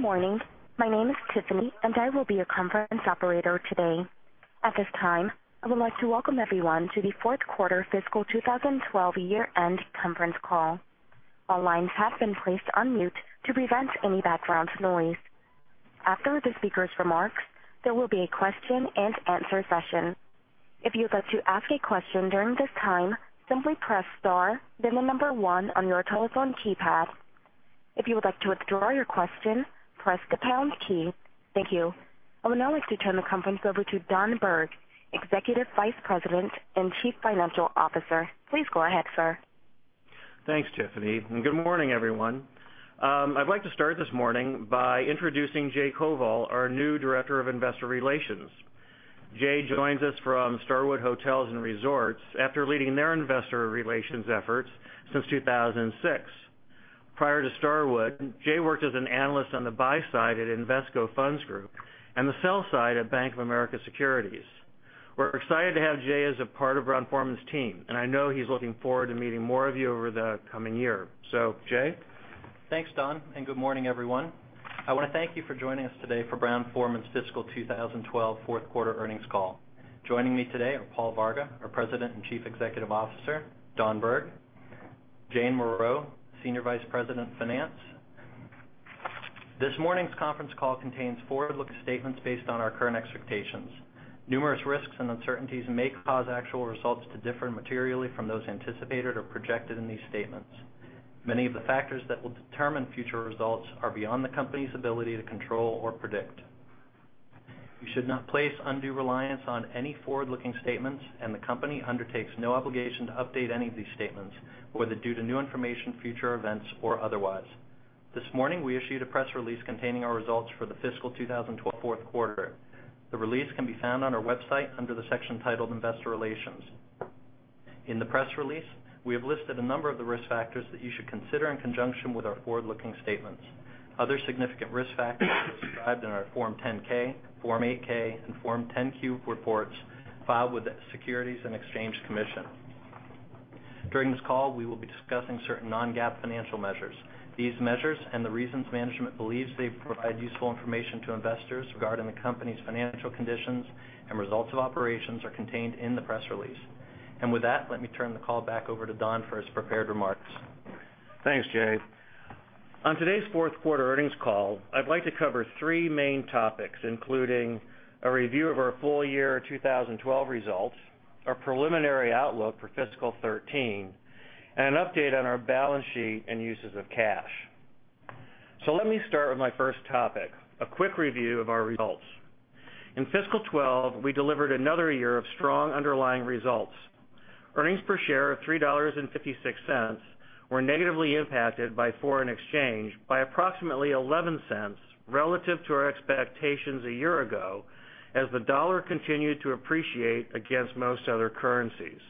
Good morning. My name is Tiffany, and I will be your conference operator today. At this time, I would like to welcome everyone to the fourth quarter fiscal 2012 year-end conference call. All lines have been placed on mute to prevent any background noise. After the speaker's remarks, there will be a question and answer session. If you'd like to ask a question during this time, simply press star then the number one on your telephone keypad. If you would like to withdraw your question, press the pound key. Thank you. I would now like to turn the conference over to Don Berg, Executive Vice President and Chief Financial Officer. Please go ahead, sir. Thanks, Tiffany, and good morning, everyone. I'd like to start this morning by introducing Jay Koval, our new Director of Investor Relations. Jay joins us from Starwood Hotels and Resorts after leading their investor relations efforts since 2006. Prior to Starwood, Jay worked as an analyst on the buy side at Invesco Funds Group and the sell side at Bank of America Securities. We're excited to have Jay as a part of Brown-Forman's team, and I know he's looking forward to meeting more of you over the coming year. Jay? Thanks, Don, and good morning, everyone. I want to thank you for joining us today for Brown-Forman's fiscal 2012 fourth quarter earnings call. Joining me today are Paul Varga, our President and Chief Executive Officer, Don Berg, Jane Morreau, Senior Vice President of Finance. This morning's conference call contains forward-looking statements based on our current expectations. Numerous risks and uncertainties may cause actual results to differ materially from those anticipated or projected in these statements. Many of the factors that will determine future results are beyond the company's ability to control or predict. You should not place undue reliance on any forward-looking statements, and the company undertakes no obligation to update any of these statements, whether due to new information, future events, or otherwise. This morning, we issued a press release containing our results for the fiscal 2012 fourth quarter. The release can be found on our website under the section titled Investor Relations. In the press release, we have listed a number of the risk factors that you should consider in conjunction with our forward-looking statements. Other significant risk factors are described in our Form 10-K, Form 8-K, and Form 10-Q reports filed with the Securities and Exchange Commission. During this call, we will be discussing certain non-GAAP financial measures. These measures and the reasons management believes they provide useful information to investors regarding the company's financial conditions and results of operations are contained in the press release. With that, let me turn the call back over to Don for his prepared remarks. Thanks, Jay. On today's fourth quarter earnings call, I'd like to cover three main topics, including a review of our full year 2012 results, our preliminary outlook for fiscal 2013, and an update on our balance sheet and uses of cash. Let me start with my first topic, a quick review of our results. In fiscal 2012, we delivered another year of strong underlying results. Earnings per share of $3.56 were negatively impacted by foreign exchange by approximately $0.11 relative to our expectations a year ago, as the dollar continued to appreciate against most other currencies.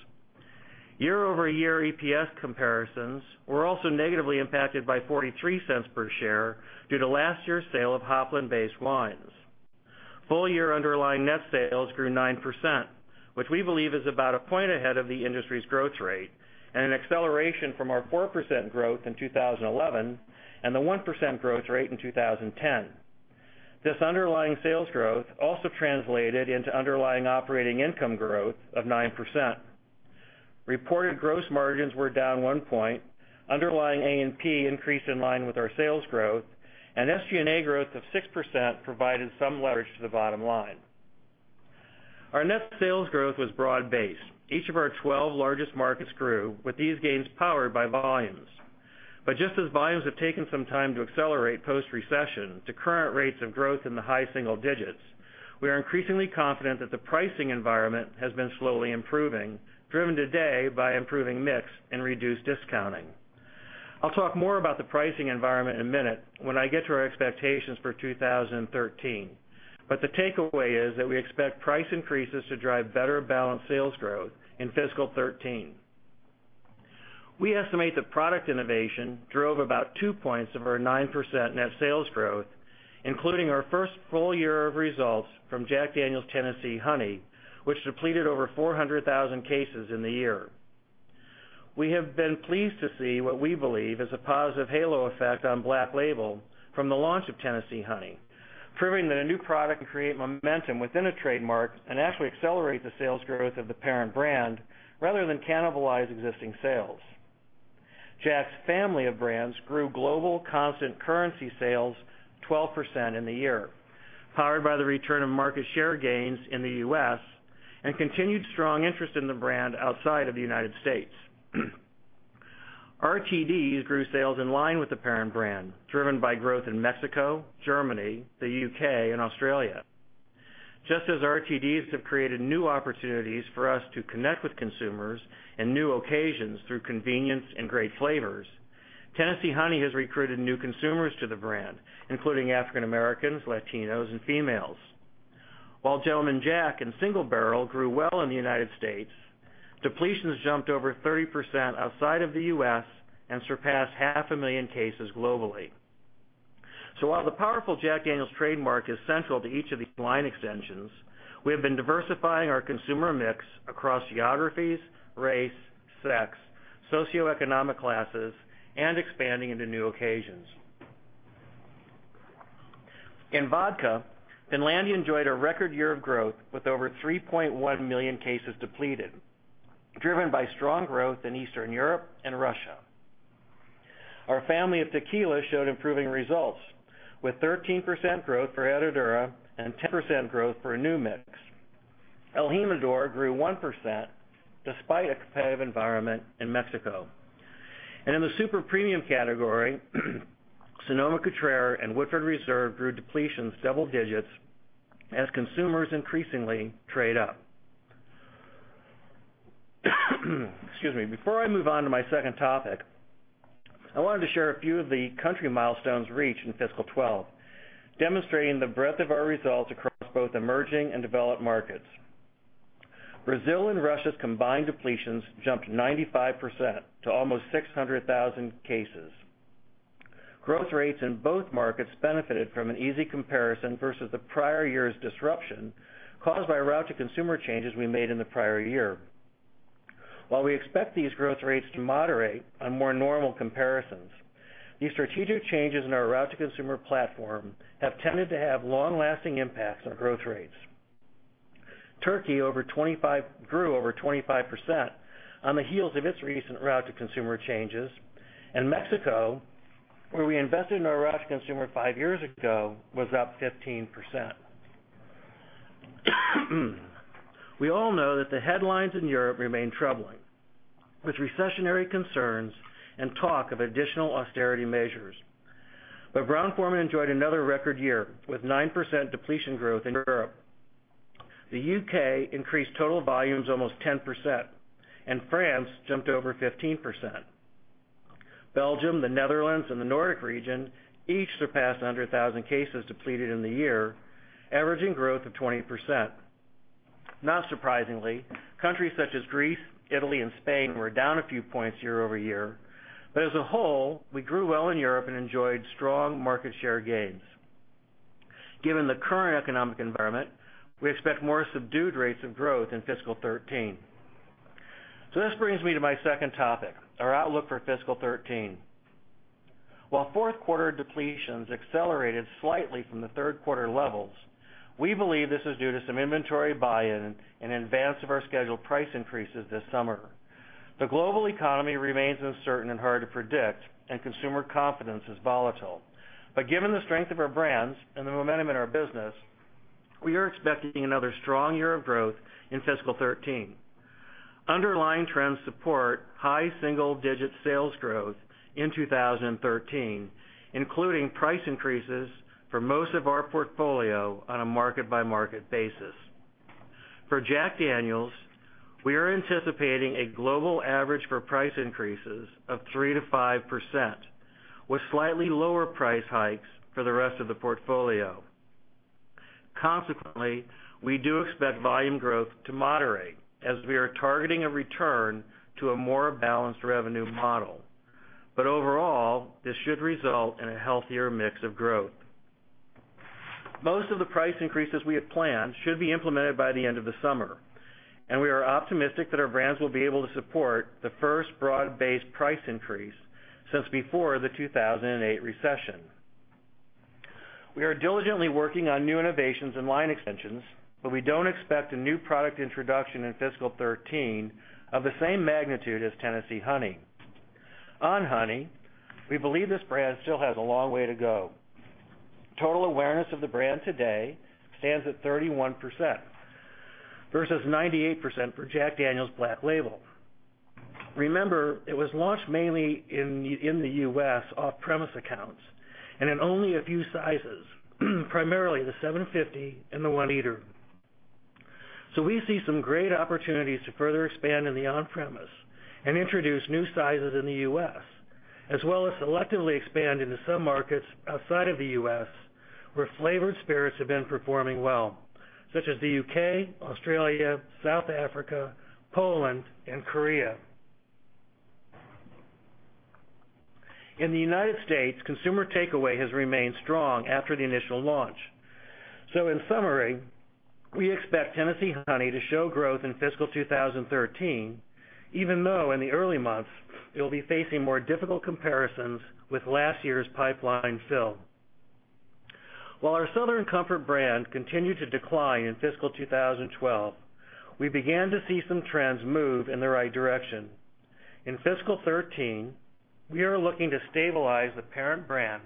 Year-over-year EPS comparisons were also negatively impacted by $0.43 per share due to last year's sale of Hopland-based wines. Full-year underlying net sales grew 9%, which we believe is about a point ahead of the industry's growth rate and an acceleration from our 4% growth in 2011 and the 1% growth rate in 2010. This underlying sales growth also translated into underlying operating income growth of 9%. Reported gross margins were down one point, underlying A&P increased in line with our sales growth, and SG&A growth of 6% provided some leverage to the bottom line. Our net sales growth was broad-based. Each of our 12 largest markets grew, with these gains powered by volumes. Just as volumes have taken some time to accelerate post-recession to current rates of growth in the high single digits, we are increasingly confident that the pricing environment has been slowly improving, driven today by improving mix and reduced discounting. I'll talk more about the pricing environment in a minute when I get to our expectations for 2013. The takeaway is that we expect price increases to drive better balanced sales growth in fiscal 2013. We estimate that product innovation drove about two points of our 9% net sales growth, including our first full year of results from Jack Daniel's Tennessee Honey, which depleted over 400,000 cases in the year. We have been pleased to see what we believe is a positive halo effect on Black Label from the launch of Tennessee Honey, proving that a new product can create momentum within a trademark and actually accelerate the sales growth of the parent brand rather than cannibalize existing sales. Jack's family of brands grew global constant currency sales 12% in the year, powered by the return of market share gains in the U.S. and continued strong interest in the brand outside of the United States. RTDs grew sales in line with the parent brand, driven by growth in Mexico, Germany, the U.K., and Australia. Just as RTDs have created new opportunities for us to connect with consumers in new occasions through convenience and great flavors, Tennessee Honey has recruited new consumers to the brand, including African Americans, Latinos, and females. While Gentleman Jack and Single Barrel grew well in the United States, depletions jumped over 30% outside of the U.S. and surpassed half a million cases globally. While the powerful Jack Daniel's trademark is central to each of these line extensions, we have been diversifying our consumer mix across geographies, race, socioeconomic classes, and expanding into new occasions. In vodka, Finlandia enjoyed a record year of growth with over 3.1 million cases depleted, driven by strong growth in Eastern Europe and Russia. Our family of tequila showed improving results, with 13% growth for Herradura and 10% growth for New Mix. el Jimador grew 1% despite a competitive environment in Mexico. In the super premium category, Sonoma-Cutrer and Woodford Reserve grew depletions several digits as consumers increasingly trade up. Excuse me. Before I move on to my second topic, I wanted to share a few of the country milestones reached in fiscal 2012, demonstrating the breadth of our results across both emerging and developed markets. Brazil and Russia's combined depletions jumped 95% to almost 600,000 cases. Growth rates in both markets benefited from an easy comparison versus the prior year's disruption caused by route to consumer changes we made in the prior year. While we expect these growth rates to moderate on more normal comparisons, these strategic changes in our route to consumer platform have tended to have long-lasting impacts on growth rates. Turkey grew over 25% on the heels of its recent route to consumer changes. Mexico, where we invested in our route to consumer five years ago, was up 15%. We all know that the headlines in Europe remain troubling, with recessionary concerns and talk of additional austerity measures. Brown-Forman enjoyed another record year, with 9% depletion growth in Europe. The U.K. increased total volumes almost 10%, France jumped over 15%. Belgium, the Netherlands, and the Nordic region each surpassed 100,000 cases depleted in the year, averaging growth of 20%. Not surprisingly, countries such as Greece, Italy, and Spain were down a few points year-over-year. As a whole, we grew well in Europe and enjoyed strong market share gains. Given the current economic environment, we expect more subdued rates of growth in fiscal 2013. This brings me to my second topic, our outlook for fiscal 2013. While fourth quarter depletions accelerated slightly from the third quarter levels, we believe this is due to some inventory buy-in in advance of our scheduled price increases this summer. The global economy remains uncertain and hard to predict, and consumer confidence is volatile. Given the strength of our brands and the momentum in our business, we are expecting another strong year of growth in fiscal 2013. Underlying trends support high single-digit sales growth in 2013, including price increases for most of our portfolio on a market-by-market basis. For Jack Daniel's, we are anticipating a global average for price increases of 3%-5%, with slightly lower price hikes for the rest of the portfolio. Consequently, we do expect volume growth to moderate as we are targeting a return to a more balanced revenue model. Overall, this should result in a healthier mix of growth. Most of the price increases we have planned should be implemented by the end of the summer, and we are optimistic that our brands will be able to support the first broad-based price increase since before the 2008 recession. We are diligently working on new innovations and line extensions, but we don't expect a new product introduction in fiscal 2013 of the same magnitude as Tennessee Honey. Honey, we believe this brand still has a long way to go. Total awareness of the brand today stands at 31% versus 98% for Jack Daniel's Black Label. Remember, it was launched mainly in the U.S. off-premise accounts and in only a few sizes, primarily the 750 and the liter. We see some great opportunities to further expand in the on-premise and introduce new sizes in the U.S., as well as selectively expand into some markets outside of the U.S. where flavored spirits have been performing well, such as the U.K., Australia, South Africa, Poland, and Korea. In the United States, consumer takeaway has remained strong after the initial launch. In summary, we expect Tennessee Honey to show growth in fiscal 2013, even though in the early months, it'll be facing more difficult comparisons with last year's pipeline fill. While our Southern Comfort brand continued to decline in fiscal 2012, we began to see some trends move in the right direction. In fiscal 2013, we are looking to stabilize the parent brand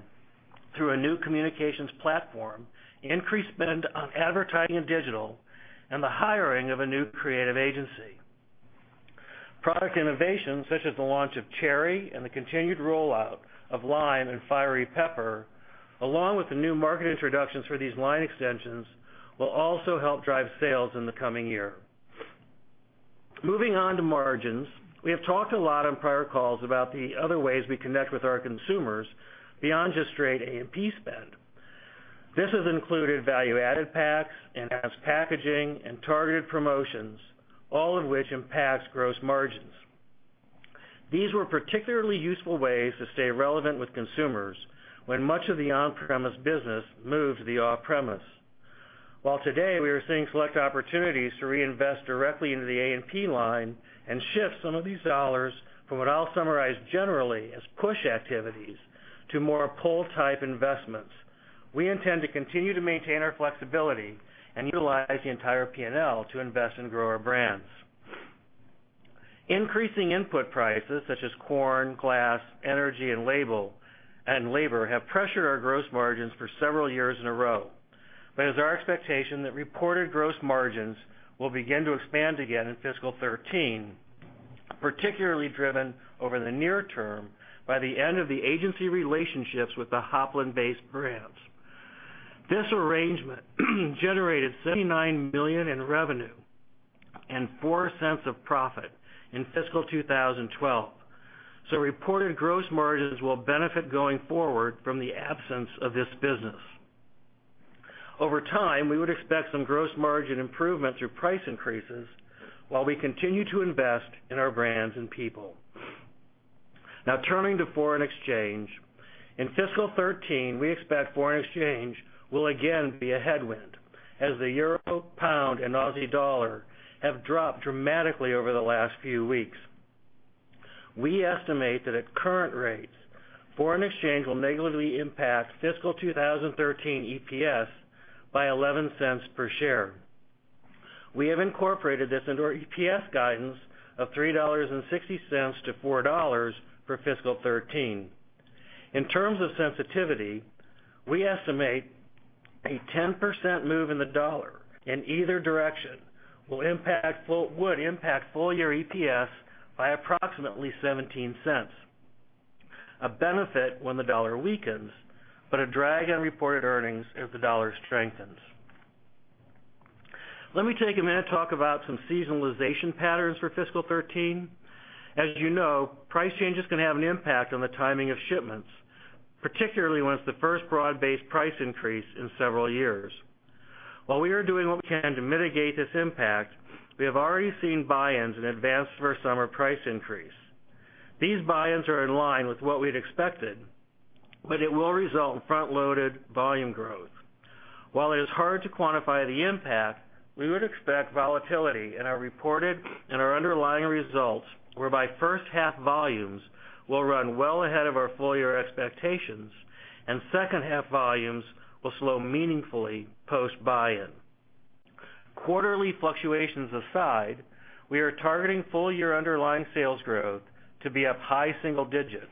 through a new communications platform, increased spend on advertising and digital, and the hiring of a new creative agency. Product innovations such as the launch of Cherry and the continued rollout of Lime and Fiery Pepper, along with the new market introductions for these line extensions, will also help drive sales in the coming year. Moving on to margins, we have talked a lot on prior calls about the other ways we connect with our consumers beyond just straight A&P spend. This has included value-added packs, enhanced packaging, and targeted promotions, all of which impacts gross margins. These were particularly useful ways to stay relevant with consumers when much of the on-premise business moved to the off-premise. While today we are seeing select opportunities to reinvest directly into the A&P line and shift some of these dollars from what I'll summarize generally as push activities to more pull type investments, we intend to continue to maintain our flexibility and utilize the entire P&L to invest and grow our brands. Increasing input prices such as corn, glass, energy, and labor, have pressured our gross margins for several years in a row. It is our expectation that reported gross margins will begin to expand again in fiscal 2013, particularly driven over the near term by the end of the agency relationships with the Hopland-based brands. This arrangement generated $79 million in revenue and $0.04 of profit in fiscal 2012. Reported gross margins will benefit going forward from the absence of this business. Over time, we would expect some gross margin improvement through price increases while we continue to invest in our brands and people. Turning to foreign exchange. In fiscal 2013, we expect foreign exchange will again be a headwind, as the euro, pound, and Aussie dollar have dropped dramatically over the last few weeks. We estimate that at current rates, foreign exchange will negatively impact fiscal 2013 EPS by $0.11 per share. We have incorporated this into our EPS guidance of $3.60-$4.00 for fiscal 2013. In terms of sensitivity, we estimate a 10% move in the dollar in either direction would impact full-year EPS by approximately $0.17. A benefit when the dollar weakens, a drag on reported earnings if the dollar strengthens. Let me take a minute to talk about some seasonalization patterns for fiscal 2013. As you know, price changes can have an impact on the timing of shipments, particularly when it is the first broad-based price increase in several years. While we are doing what we can to mitigate this impact, we have already seen buy-ins in advance for our summer price increase. These buy-ins are in line with what we had expected, but it will result in front-loaded volume growth. While it is hard to quantify the impact, we would expect volatility in our reported and our underlying results, whereby first-half volumes will run well ahead of our full-year expectations, and second-half volumes will slow meaningfully post buy-in. Quarterly fluctuations aside, we are targeting full-year underlying sales growth to be up high single digits,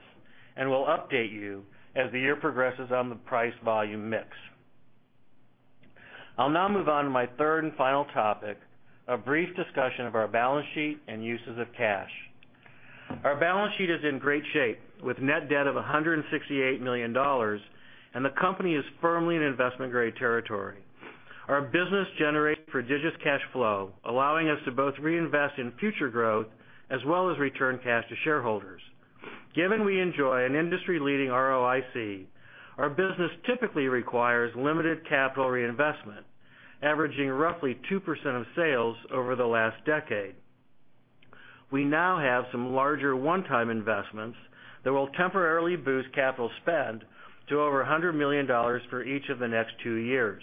and we will update you as the year progresses on the price-volume mix. I will now move on to my third and final topic, a brief discussion of our balance sheet and uses of cash. Our balance sheet is in great shape with net debt of $168 million, and the company is firmly in investment-grade territory. Our business generates prodigious cash flow, allowing us to both reinvest in future growth as well as return cash to shareholders. Given we enjoy an industry-leading ROIC, our business typically requires limited capital reinvestment, averaging roughly 2% of sales over the last decade. We now have some larger one-time investments that will temporarily boost capital spend to over $100 million for each of the next 2 years.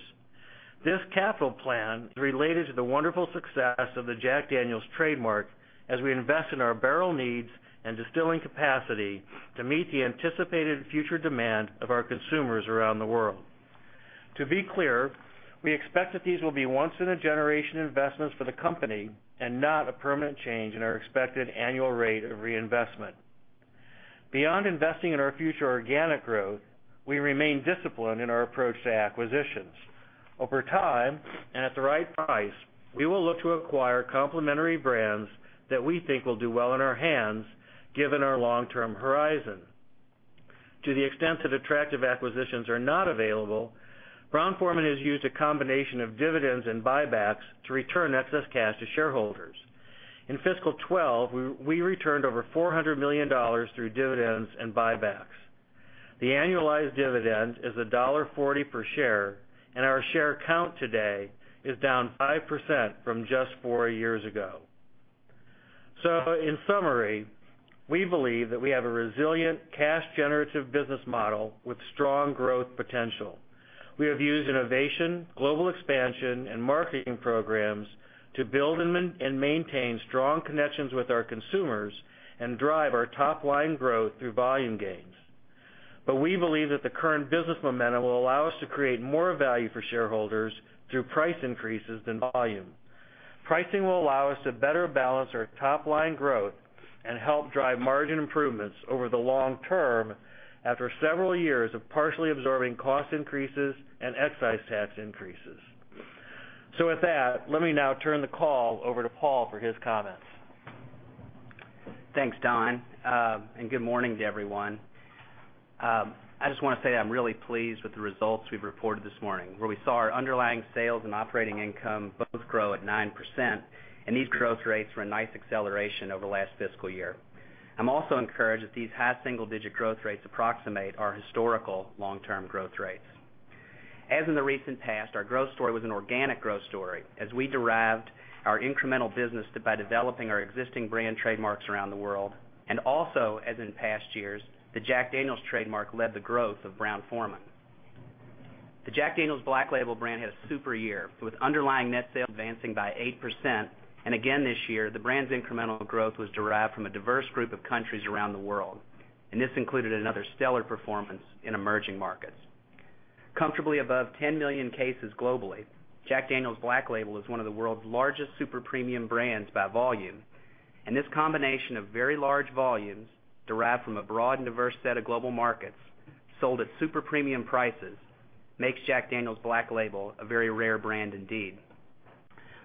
This capital plan is related to the wonderful success of the Jack Daniel's trademark as we invest in our barrel needs and distilling capacity to meet the anticipated future demand of our consumers around the world. To be clear, we expect that these will be once-in-a-generation investments for the company and not a permanent change in our expected annual rate of reinvestment. Beyond investing in our future organic growth, we remain disciplined in our approach to acquisitions. Over time, and at the right price, we will look to acquire complementary brands that we think will do well in our hands given our long-term horizon. To the extent that attractive acquisitions are not available, Brown-Forman has used a combination of dividends and buybacks to return excess cash to shareholders. In fiscal 2012, we returned over $400 million through dividends and buybacks. The annualized dividend is $1.40 per share, and our share count today is down 5% from just four years ago. In summary, we believe that we have a resilient, cash-generative business model with strong growth potential. We have used innovation, global expansion, and marketing programs to build and maintain strong connections with our consumers and drive our top-line growth through volume gains. We believe that the current business momentum will allow us to create more value for shareholders through price increases than volume. Pricing will allow us to better balance our top-line growth and help drive margin improvements over the long term after several years of partially absorbing cost increases and excise tax increases. With that, let me now turn the call over to Paul for his comments. Thanks, Don, good morning to everyone. I just want to say I'm really pleased with the results we've reported this morning, where we saw our underlying sales and operating income both grow at 9%, and these growth rates were a nice acceleration over last fiscal year. I'm also encouraged that these high single-digit growth rates approximate our historical long-term growth rates. As in the recent past, our growth story was an organic growth story as we derived our incremental business by developing our existing brand trademarks around the world. Also, as in past years, the Jack Daniel's trademark led the growth of Brown-Forman. The Jack Daniel's Black Label brand had a super year, with underlying net sales advancing by 8%. Again, this year, the brand's incremental growth was derived from a diverse group of countries around the world. This included another stellar performance in emerging markets. Comfortably above 10 million cases globally, Jack Daniel's Black Label is one of the world's largest super premium brands by volume. This combination of very large volumes, derived from a broad and diverse set of global markets, sold at super premium prices, makes Jack Daniel's Black Label a very rare brand indeed.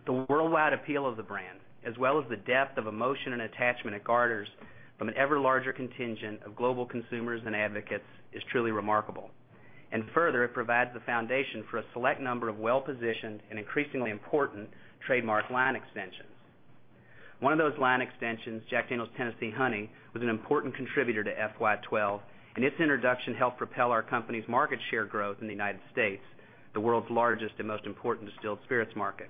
The worldwide appeal of the brand, as well as the depth of emotion and attachment it garners from an ever larger contingent of global consumers and advocates, is truly remarkable. Further, it provides the foundation for a select number of well-positioned and increasingly important trademark line extensions. One of those line extensions, Jack Daniel's Tennessee Honey, was an important contributor to FY 2012. Its introduction helped propel our company's market share growth in the U.S., the world's largest and most important distilled spirits market.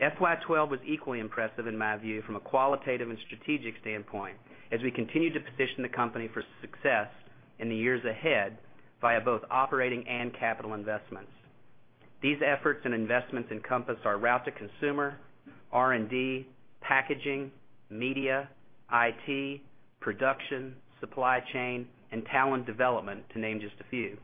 FY 2012 was equally impressive in my view, from a qualitative and strategic standpoint, as we continued to position the company for success in the years ahead via both operating and capital investments. These efforts and investments encompass our route to consumer, R&D, packaging, media, IT, production, supply chain, and talent development, to name just a few.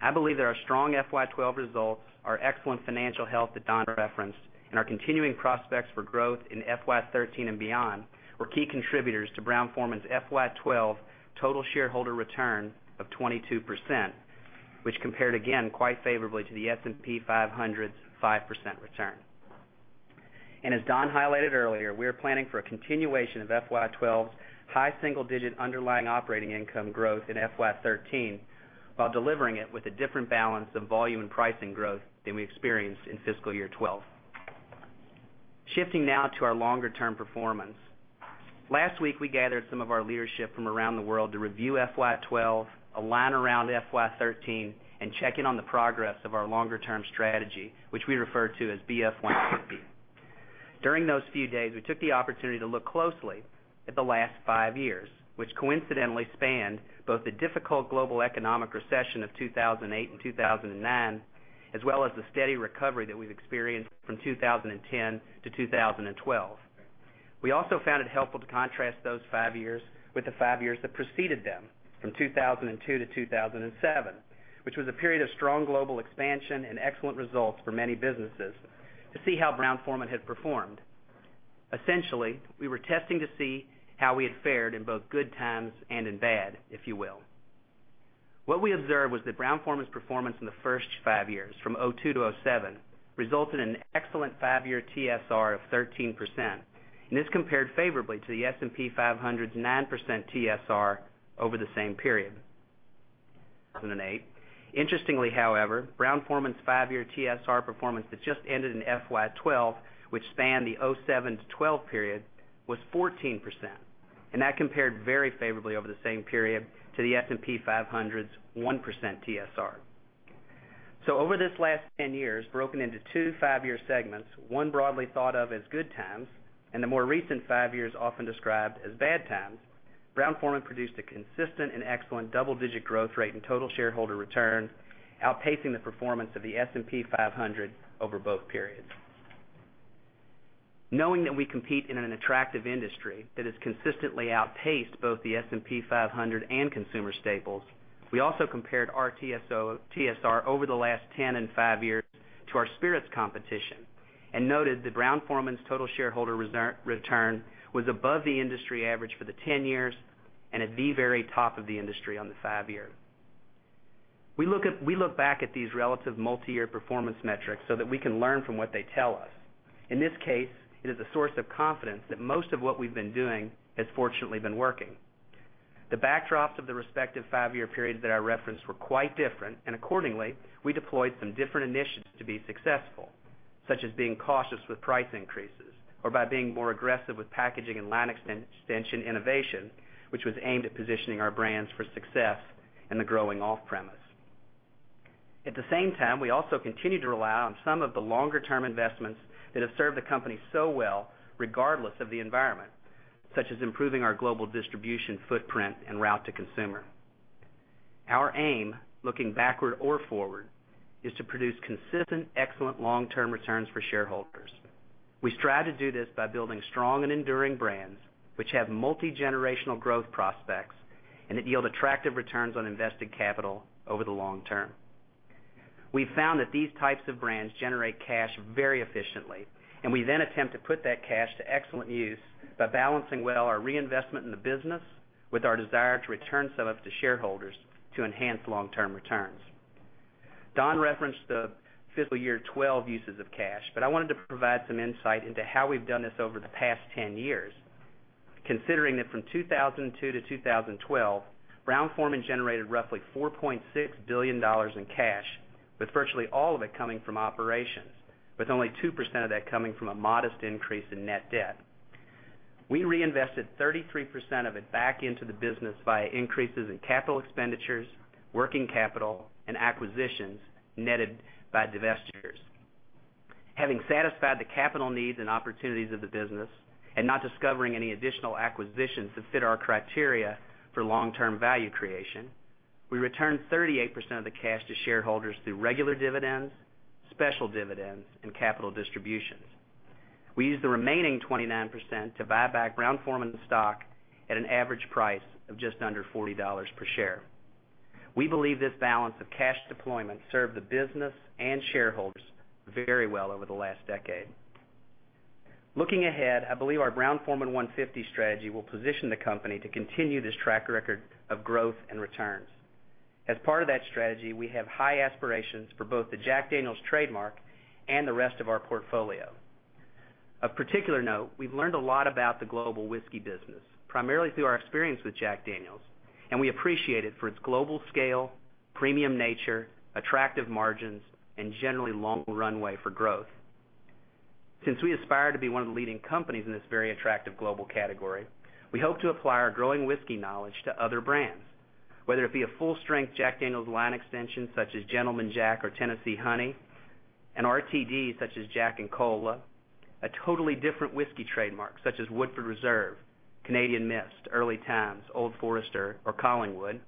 I believe that our strong FY 2012 results, our excellent financial health that Don referenced, our continuing prospects for growth in FY 2013 and beyond, were key contributors to Brown-Forman's FY 2012 total shareholder return of 22%, which compared again, quite favorably to the S&P 500's 5% return. As Don highlighted earlier, we are planning for a continuation of FY 2012's high single-digit underlying operating income growth in FY 2013, while delivering it with a different balance of volume and pricing growth than we experienced in fiscal year 2012. Shifting now to our longer term performance. Last week, we gathered some of our leadership from around the world to review FY 2012, align around FY 2013, and check in on the progress of our longer term strategy, which we refer to as BF 150. During those few days, we took the opportunity to look closely at the last five years, which coincidentally spanned both the difficult global economic recession of 2008 and 2009, as well as the steady recovery that we've experienced from 2010 to 2012. We also found it helpful to contrast those five years with the five years that preceded them, from 2002 to 2007, which was a period of strong global expansion and excellent results for many businesses, to see how Brown-Forman had performed. Essentially, we were testing to see how we had fared in both good times and in bad, if you will. What we observed was that Brown-Forman's performance in the first 5 years, from 2002 to 2007, resulted in an excellent 5-year TSR of 13%. This compared favorably to the S&P 500's 9% TSR over the same period. Interestingly, however, Brown-Forman's 5-year TSR performance that just ended in FY 2012, which spanned the 2007 to 2012 period, was 14%. That compared very favorably over the same period to the S&P 500's 1% TSR. Over this last 10 years, broken into two 5-year segments, one broadly thought of as good times, and the more recent 5 years often described as bad times, Brown-Forman produced a consistent and excellent double-digit growth rate in total shareholder return, outpacing the performance of the S&P 500 over both periods. Knowing that we compete in an attractive industry that has consistently outpaced both the S&P 500 and consumer staples, we also compared our TSR over the last 10 and 5 years to our spirits competition, noted that Brown-Forman's total shareholder return was above the industry average for the 10 years, and at the very top of the industry on the 5 year. We look back at these relative multi-year performance metrics so that we can learn from what they tell us. In this case, it is a source of confidence that most of what we've been doing has fortunately been working. The backdrops of the respective 5-year periods that I referenced were quite different. Accordingly, we deployed some different initiatives to be successful, such as being cautious with price increases or by being more aggressive with packaging and line extension innovation, which was aimed at positioning our brands for success in the growing off-premise. At the same time, we also continue to rely on some of the longer-term investments that have served the company so well, regardless of the environment, such as improving our global distribution footprint and route to consumer. Our aim, looking backward or forward, is to produce consistent, excellent long-term returns for shareholders. We strive to do this by building strong and enduring brands, which have multi-generational growth prospects, that yield attractive returns on invested capital over the long term. We've found that these types of brands generate cash very efficiently. We then attempt to put that cash to excellent use by balancing well our reinvestment in the business with our desire to return some of it to shareholders to enhance long-term returns. Don referenced the fiscal year 2012 uses of cash, I wanted to provide some insight into how we've done this over the past 10 years. Considering that from 2002 to 2012, Brown-Forman generated roughly $4.6 billion in cash, with virtually all of it coming from operations, with only 2% of that coming from a modest increase in net debt. We reinvested 33% of it back into the business via increases in capital expenditures, working capital, acquisitions netted by divestitures. Having satisfied the capital needs and opportunities of the business and not discovering any additional acquisitions that fit our criteria for long-term value creation, we returned 38% of the cash to shareholders through regular dividends, special dividends, and capital distributions. We used the remaining 29% to buy back Brown-Forman stock at an average price of just under $40 per share. We believe this balance of cash deployment served the business and shareholders very well over the last decade. Looking ahead, I believe our Brown-Forman 150 strategy will position the company to continue this track record of growth and returns. As part of that strategy, we have high aspirations for both the Jack Daniel's trademark and the rest of our portfolio. Of particular note, we've learned a lot about the global whiskey business, primarily through our experience with Jack Daniel's, and we appreciate it for its global scale, premium nature, attractive margins, and generally long runway for growth. Since we aspire to be one of the leading companies in this very attractive global category, we hope to apply our growing whiskey knowledge to other brands, whether it be a full-strength Jack Daniel's line extension such as Gentleman Jack or Tennessee Honey, an RTD such as Jack and Cola, a totally different whiskey trademark such as Woodford Reserve, Canadian Mist, Early Times, Old Forester, or Collingwood,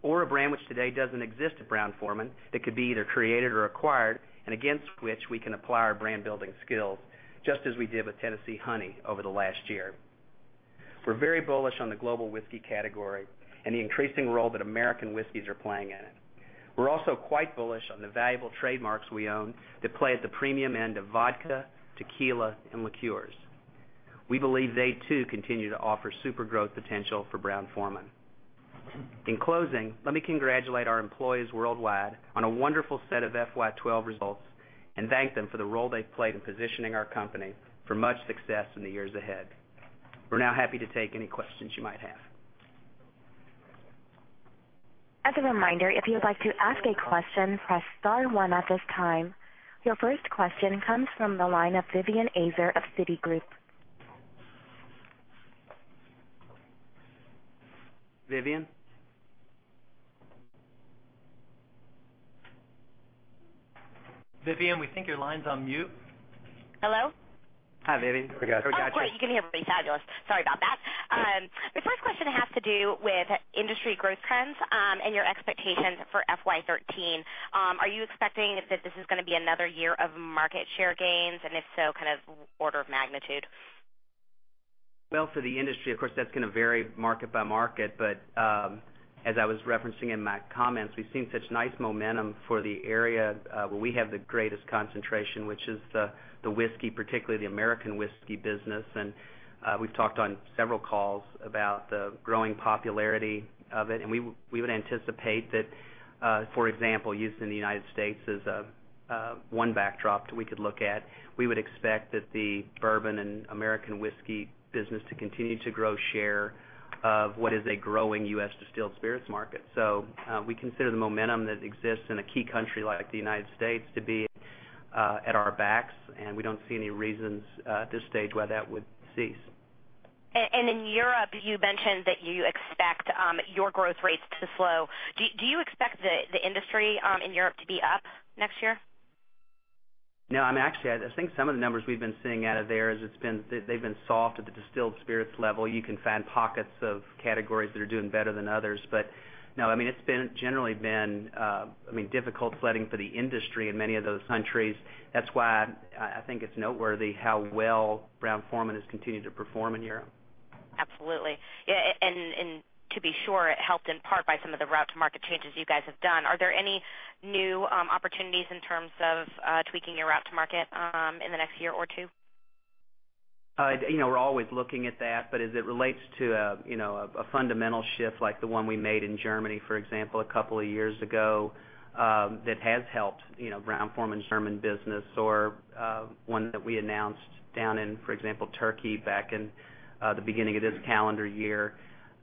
or a brand which today doesn't exist at Brown-Forman that could be either created or acquired and against which we can apply our brand-building skills just as we did with Tennessee Honey over the last year. We're very bullish on the global whiskey category and the increasing role that American whiskeys are playing in it. We're also quite bullish on the valuable trademarks we own that play at the premium end of vodka, tequila, and liqueurs. We believe they, too, continue to offer super growth potential for Brown-Forman. In closing, let me congratulate our employees worldwide on a wonderful set of FY 2012 results and thank them for the role they've played in positioning our company for much success in the years ahead. We're now happy to take any questions you might have. As a reminder, if you'd like to ask a question, press * one at this time. Your first question comes from the line of Vivien Azer of Citigroup. Vivien? Vivien, we think your line's on mute. Hello? Hi, Vivien. We got you. Great. You can hear me fabulous. Sorry about that. The first question has to do with industry growth trends and your expectations for FY 2013. Are you expecting that this is going to be another year of market share gains, and if so, kind of order of magnitude? For the industry, of course, that's going to vary market by market. As I was referencing in my comments, we've seen such nice momentum for the area where we have the greatest concentration, which is the whiskey, particularly the American whiskey business. We've talked on several calls about the growing popularity of it. We would anticipate that, for example, using the United States as one backdrop that we could look at, we would expect that the bourbon and American whiskey business to continue to grow share of what is a growing U.S. distilled spirits market. We consider the momentum that exists in a key country like the United States to be at our backs, and we don't see any reasons at this stage why that would cease. In Europe, you mentioned that you expect your growth rates to slow. Do you expect the industry in Europe to be up next year? No, actually, I think some of the numbers we've been seeing out of there is they've been soft at the distilled spirits level. You can find pockets of categories that are doing better than others. No, it's generally been difficult sledding for the industry in many of those countries. That's why I think it's noteworthy how well Brown-Forman has continued to perform in Europe. Absolutely. To be sure, it helped in part by some of the route-to-market changes you guys have done. Are there any new opportunities in terms of tweaking your route to market in the next year or two? We're always looking at that. As it relates to a fundamental shift like the one we made in Germany, for example, a couple of years ago, that has helped Brown-Forman's German business or one that we announced down in, for example, Turkey back in the beginning of this calendar year.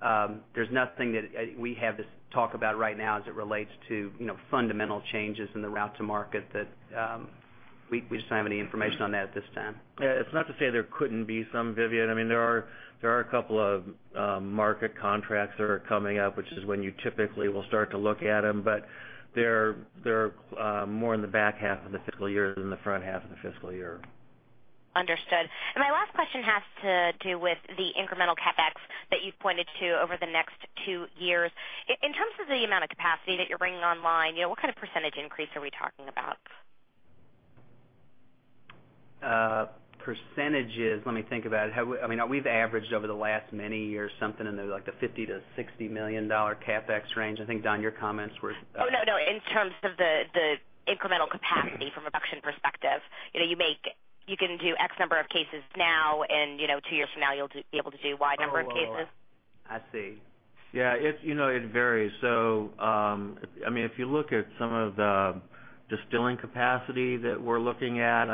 There is nothing that we have to talk about right now as it relates to fundamental changes in the route to market. We just don't have any information on that at this time. It's not to say there couldn't be some, Vivien. There are a couple of market contracts that are coming up, which is when you typically will start to look at them, but they're more in the back half of the fiscal year than the front half of the fiscal year. Understood. My last question has to do with the incremental CapEx that you've pointed to over the next two years. In terms of the amount of capacity that you're bringing online, what kind of percentage increase are we talking about? Percentages, let me think about it. We've averaged over the last many years something in the $50 million-$60 million CapEx range. I think, Don, your comments were- Oh, no. In terms of the incremental capacity from a production perspective. You can do X number of cases now, and two years from now, you'll be able to do Y number of cases. Oh. I see. Yeah, it varies. If you look at some of the distilling capacity that we're looking at,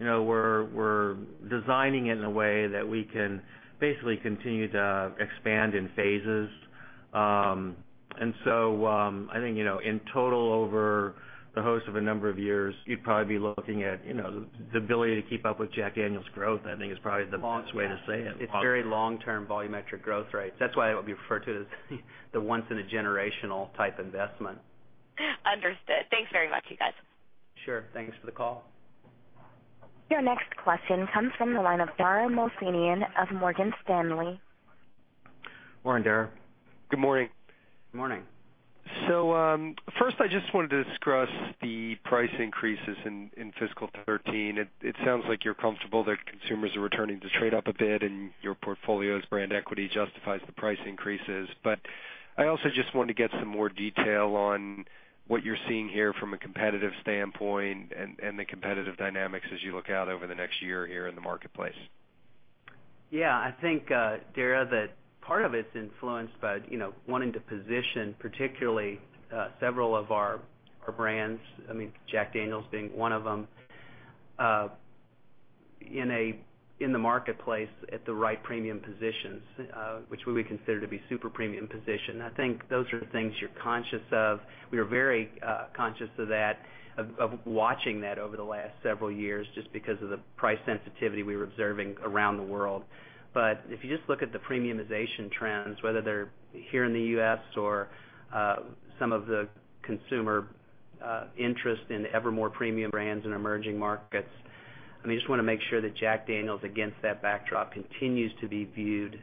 we're designing it in a way that we can basically continue to expand in phases. I think, in total, over the host of a number of years, you'd probably be looking at the ability to keep up with Jack Daniel's growth, I think is probably the best way to say it. It's very long-term volumetric growth rates. That's why it would be referred to as the once-in-a-generational type investment. Understood. Thanks very much, you guys. Sure. Thanks for the call. Your next question comes from the line of Dara Mohsenian of Morgan Stanley. Morning, Dara. Good morning. Morning. First I just wanted to discuss the price increases in fiscal 2013. It sounds like you're comfortable that consumers are returning to trade up a bit, and your portfolio's brand equity justifies the price increases. I also just wanted to get some more detail on what you're seeing here from a competitive standpoint and the competitive dynamics as you look out over the next year here in the marketplace. I think, Dara, that part of it's influenced by wanting to position particularly several of our brands, Jack Daniel's being one of them, in the marketplace at the right premium positions, which we would consider to be super premium position. I think those are the things you're conscious of. We are very conscious of watching that over the last several years, just because of the price sensitivity we were observing around the world. If you just look at the premiumization trends, whether they're here in the U.S. or some of the consumer interest in ever more premium brands in emerging markets, we just want to make sure that Jack Daniel's, against that backdrop, continues to be viewed,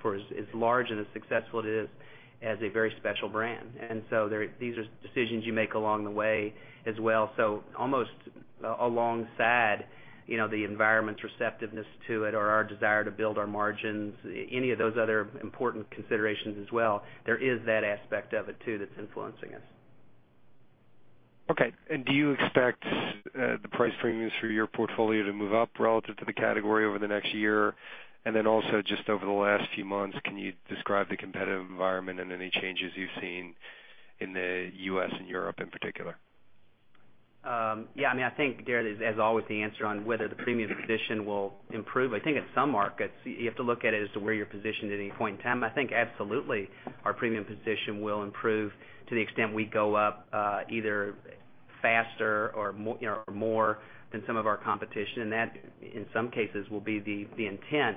for as large and as successful it is, as a very special brand. These are decisions you make along the way as well. Almost alongside the environment's receptiveness to it or our desire to build our margins, any of those other important considerations as well, there is that aspect of it too that's influencing us. Do you expect the price premiums for your portfolio to move up relative to the category over the next year? Also, just over the last few months, can you describe the competitive environment and any changes you've seen in the U.S. and Europe in particular? I think, Dara, as always, the answer on whether the premium position will improve, I think in some markets, you have to look at it as to where you're positioned at any point in time. I think absolutely our premium position will improve to the extent we go up, either faster or more than some of our competition, and that, in some cases, will be the intent.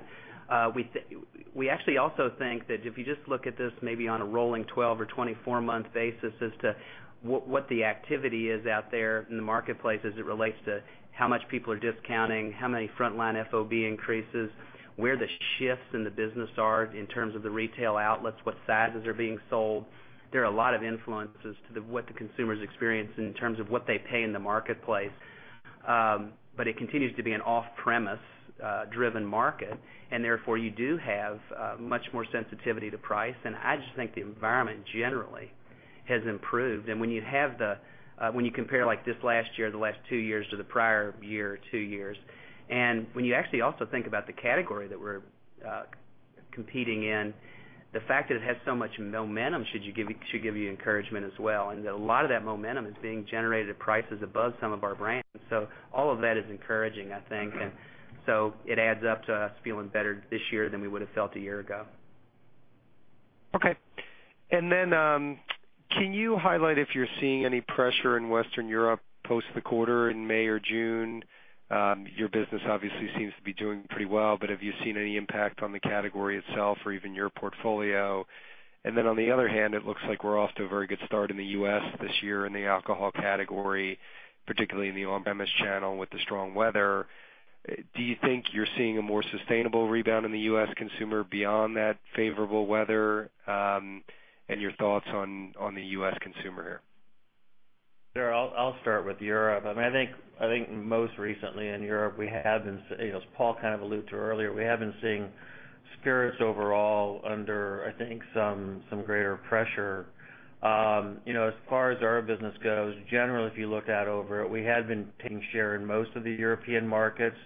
We actually also think that if you just look at this maybe on a rolling 12 or 24-month basis as to what the activity is out there in the marketplace as it relates to how much people are discounting, how many frontline FOB increases, where the shifts in the business are in terms of the retail outlets, what sizes are being sold. There are a lot of influences to what the consumers experience in terms of what they pay in the marketplace. It continues to be an off-premise driven market, therefore you do have much more sensitivity to price. I just think the environment generally has improved. When you compare this last year, the last two years to the prior year or two years, when you actually also think about the category that we're competing in, the fact that it has so much momentum should give you encouragement as well. A lot of that momentum is being generated at prices above some of our brands. All of that is encouraging, I think. It adds up to us feeling better this year than we would've felt a year ago. Okay. Can you highlight if you're seeing any pressure in Western Europe post the quarter in May or June? Your business obviously seems to be doing pretty well, but have you seen any impact on the category itself or even your portfolio? On the other hand, it looks like we're off to a very good start in the U.S. this year in the alcohol category, particularly in the on-premise channel with the strong weather. Do you think you're seeing a more sustainable rebound in the U.S. consumer beyond that favorable weather? Your thoughts on the U.S. consumer here. Dara, I'll start with Europe. I think most recently in Europe, as Paul kind of alluded to earlier, we have been seeing spirits overall under, I think, some greater pressure. As far as our business goes, generally, if you look out over it, we have been taking share in most of the European markets.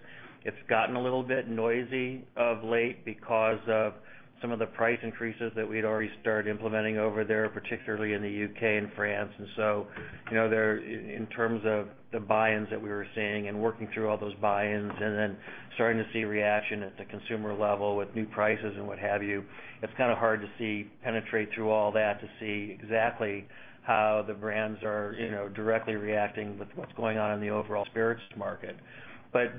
It's gotten a little bit noisy of late because of some of the price increases that we'd already started implementing over there, particularly in the U.K. and France. In terms of the buy-ins that we were seeing and working through all those buy-ins and then starting to see reaction at the consumer level with new prices and what have you, it's kind of hard to penetrate through all that to see exactly how the brands are directly reacting with what's going on in the overall spirits market.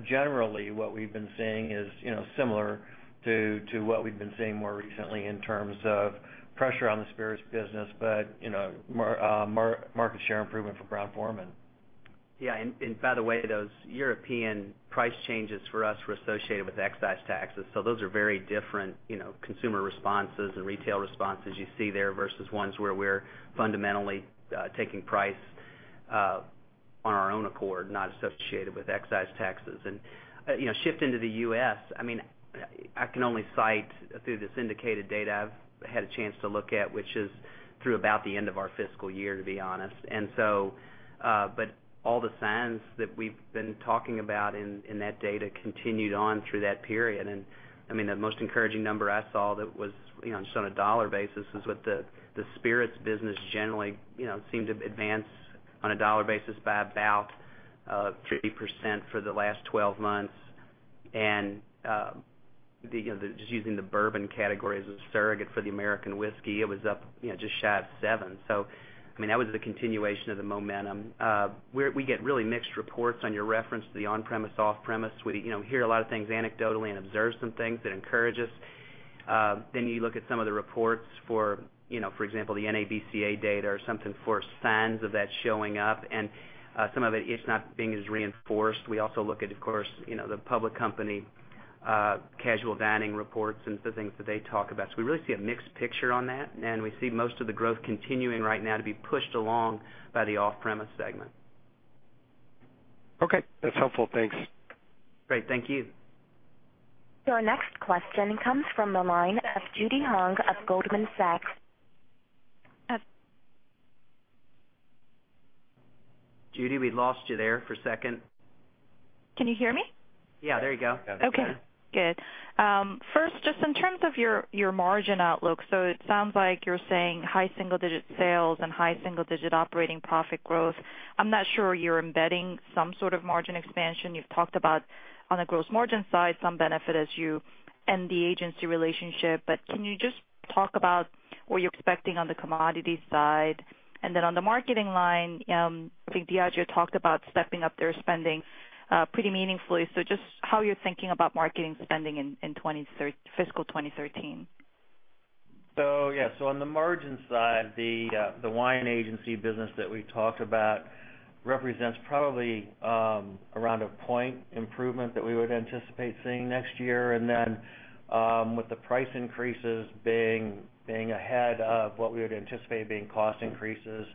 Generally, what we've been seeing is similar to what we've been seeing more recently in terms of pressure on the spirits business, but market share improvement for Brown-Forman. Yeah, by the way, those European price changes for us were associated with excise taxes. Those are very different consumer responses and retail responses you see there versus ones where we're fundamentally taking price on our own accord, not associated with excise taxes. Shifting to the U.S., I can only cite through the syndicated data I've had a chance to look at, which is through about the end of our fiscal year, to be honest. All the signs that we've been talking about in that data continued on through that period. The most encouraging number I saw that was just on a dollar basis is what the spirits business generally seemed to advance on a dollar basis by about 50% for the last 12 months. Just using the bourbon category as a surrogate for the American whiskey, it was up just shy of seven. That was the continuation of the momentum. We get really mixed reports on your reference to the on-premise, off-premise. We hear a lot of things anecdotally and observe some things that encourage us. You look at some of the reports, for example, the NABCA data or something for signs of that showing up and some of it's not being as reinforced. We also look at, of course, the public company, casual dining reports and the things that they talk about. We really see a mixed picture on that, and we see most of the growth continuing right now to be pushed along by the off-premise segment. Okay. That's helpful. Thanks. Great. Thank you. Your next question comes from the line of Judy Hong of Goldman Sachs. Judy, we lost you there for a second. Can you hear me? Yeah, there you go. Okay, good. First, just in terms of your margin outlook, it sounds like you're saying high single-digit sales and high single-digit operating profit growth. I'm not sure you're embedding some sort of margin expansion. You've talked about, on the gross margin side, some benefit as you end the agency relationship. Can you just talk about what you're expecting on the commodity side? On the marketing line, I think Diageo talked about stepping up their spending pretty meaningfully. Just how you're thinking about marketing spending in fiscal 2013. Yeah. On the margin side, the wine agency business that we talked about represents probably around a point improvement that we would anticipate seeing next year. With the price increases being ahead of what we would anticipate being cost increases,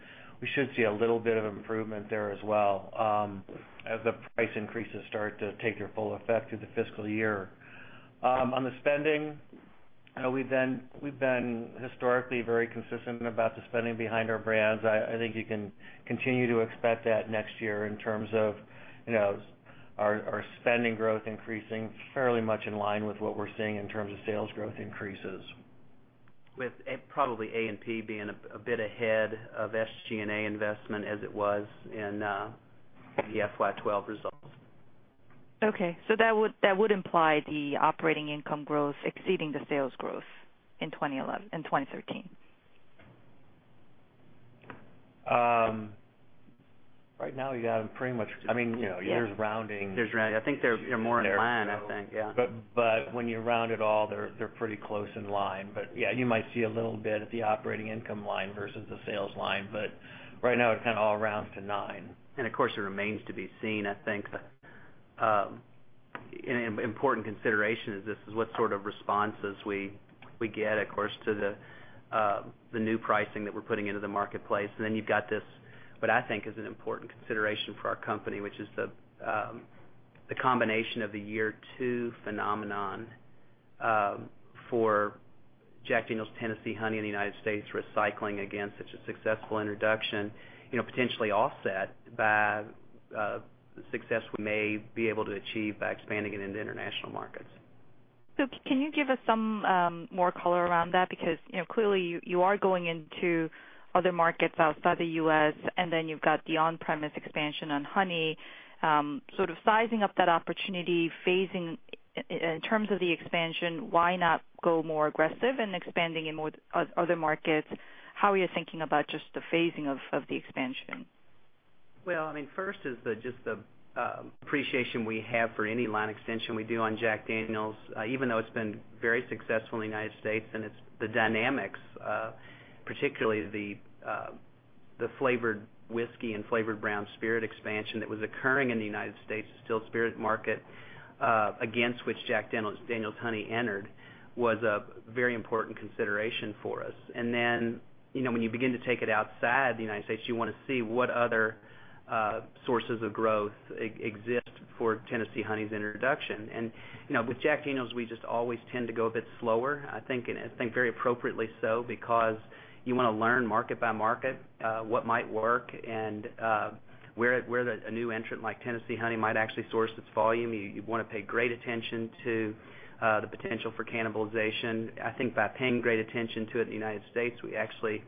we should see a little bit of improvement there as well, as the price increases start to take their full effect through the fiscal year. On the spending, we've been historically very consistent about the spending behind our brands. I think you can continue to expect that next year in terms of our spending growth increasing fairly much in line with what we're seeing in terms of sales growth increases. With probably A&P being a bit ahead of SG&A investment as it was in the FY 2012 results. Okay. That would imply the operating income growth exceeding the sales growth in 2013. Right now, you have them pretty much, there's rounding. There's rounding. I think they're more in line, I think, yeah. When you round it all, they're pretty close in line. Yeah, you might see a little bit at the operating income line versus the sales line, right now, it kind of all rounds to nine. Of course, it remains to be seen. I think that an important consideration is this, is what sort of responses we get, of course, to the new pricing that we're putting into the marketplace. You've got this, what I think is an important consideration for our company, which is the combination of the year two phenomenon for Jack Daniel's Tennessee Honey in the United States, recycling again such a successful introduction, potentially offset by the success we may be able to achieve by expanding it into international markets. Can you give us some more color around that? Because clearly, you are going into other markets outside the U.S., you've got the on-premise expansion on Honey. Sort of sizing up that opportunity, phasing in terms of the expansion, why not go more aggressive in expanding in other markets? How are you thinking about just the phasing of the expansion? First is just the appreciation we have for any line extension we do on Jack Daniel's, even though it's been very successful in the United States, and it's the dynamics, particularly the flavored whiskey and flavored brown spirit expansion that was occurring in the United States still spirit market, against which Jack Daniel's Honey entered, was a very important consideration for us. When you begin to take it outside the United States, you want to see what other sources of growth exist for Tennessee Honey's introduction. With Jack Daniel's, we just always tend to go a bit slower, I think very appropriately so, because you want to learn market by market what might work and where a new entrant like Tennessee Honey might actually source its volume. You'd want to pay great attention to the potential for cannibalization. I think by paying great attention to it in the U.S., we actually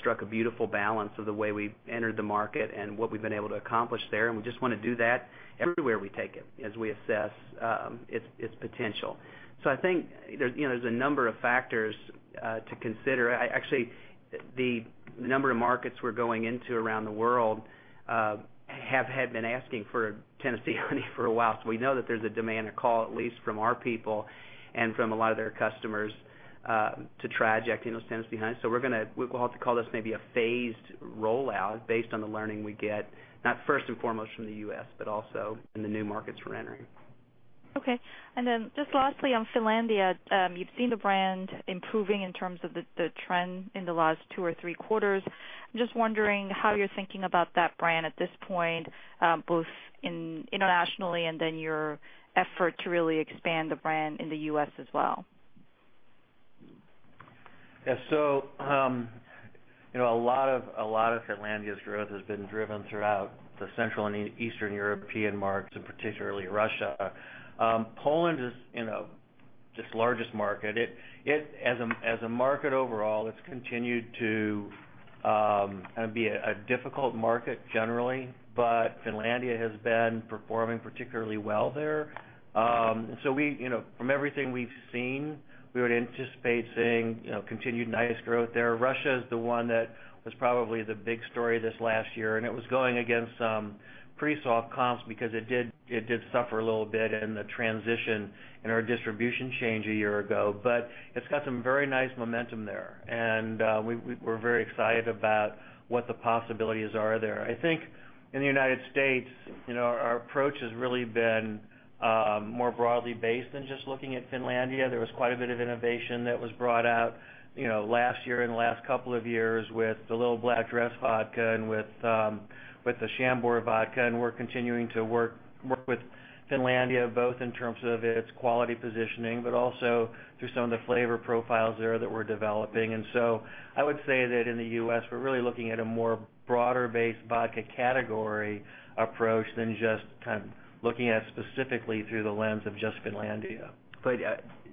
struck a beautiful balance of the way we entered the market and what we've been able to accomplish there, and we just want to do that everywhere we take it, as we assess its potential. I think there's a number of factors to consider. Actually, the number of markets we're going into around the world had been asking for Jack Daniel's Tennessee Honey for a while. We know that there's a demand, a call, at least from our people and from a lot of their customers, to try Jack Daniel's Tennessee Honey. We'll have to call this maybe a phased rollout based on the learning we get, not first and foremost from the U.S., but also in the new markets we're entering. Okay. Just lastly, on Finlandia. You've seen the brand improving in terms of the trend in the last two or three quarters. I'm just wondering how you're thinking about that brand at this point, both internationally and then your effort to really expand the brand in the U.S. as well. Yeah. A lot of Finlandia's growth has been driven throughout the Central and Eastern European markets, and particularly Russia. Poland is- Just largest market. As a market overall, it's continued to be a difficult market generally, but Finlandia has been performing particularly well there. From everything we've seen, we would anticipate seeing continued nice growth there. Russia is the one that was probably the big story this last year, and it was going against some pretty soft comps because it did suffer a little bit in the transition in our distribution change a year ago. But it's got some very nice momentum there, and we're very excited about what the possibilities are there. I think in the United States, our approach has really been more broadly based than just looking at Finlandia. There was quite a bit of innovation that was brought out last year, in the last couple of years, with the Little Black Dress Vodka and with the Chambord Vodka, and we're continuing to work with Finlandia, both in terms of its quality positioning, but also through some of the flavor profiles there that we're developing. I would say that in the U.S., we're really looking at a more broader-based vodka category approach than just looking at it specifically through the lens of just Finlandia.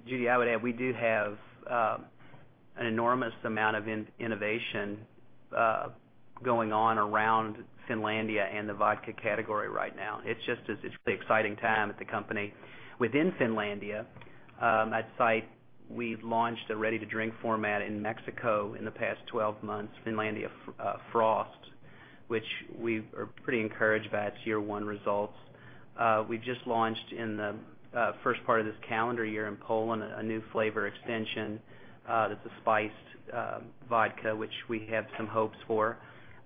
Judy, I would add, we do have an enormous amount of innovation going on around Finlandia and the vodka category right now. It's just such an exciting time at the company. Within Finlandia, I'd cite we've launched a ready-to-drink format in Mexico in the past 12 months, Finlandia Frost, which we are pretty encouraged by its year one results. We've just launched in the first part of this calendar year in Poland, a new flavor extension that's a spiced vodka, which we have some hopes for.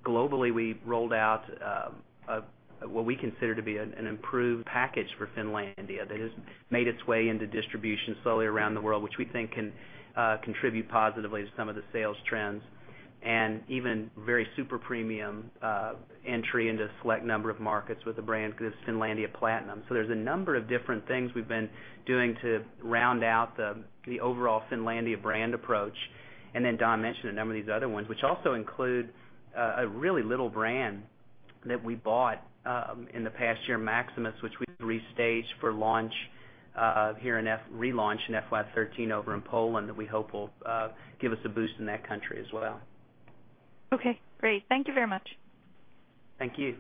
Globally, we've rolled out what we consider to be an improved package for Finlandia that has made its way into distribution slowly around the world, which we think can contribute positively to some of the sales trends. Even very super premium entry into a select number of markets with the brand, Finlandia Platinum. There's a number of different things we've been doing to round out the overall Finlandia brand approach. Don mentioned a number of these other ones, which also include a really little brand that we bought in the past year, Maximus, which we've restaged for relaunch in FY 2013 over in Poland, that we hope will give us a boost in that country as well. Great. Thank you very much. Thank you.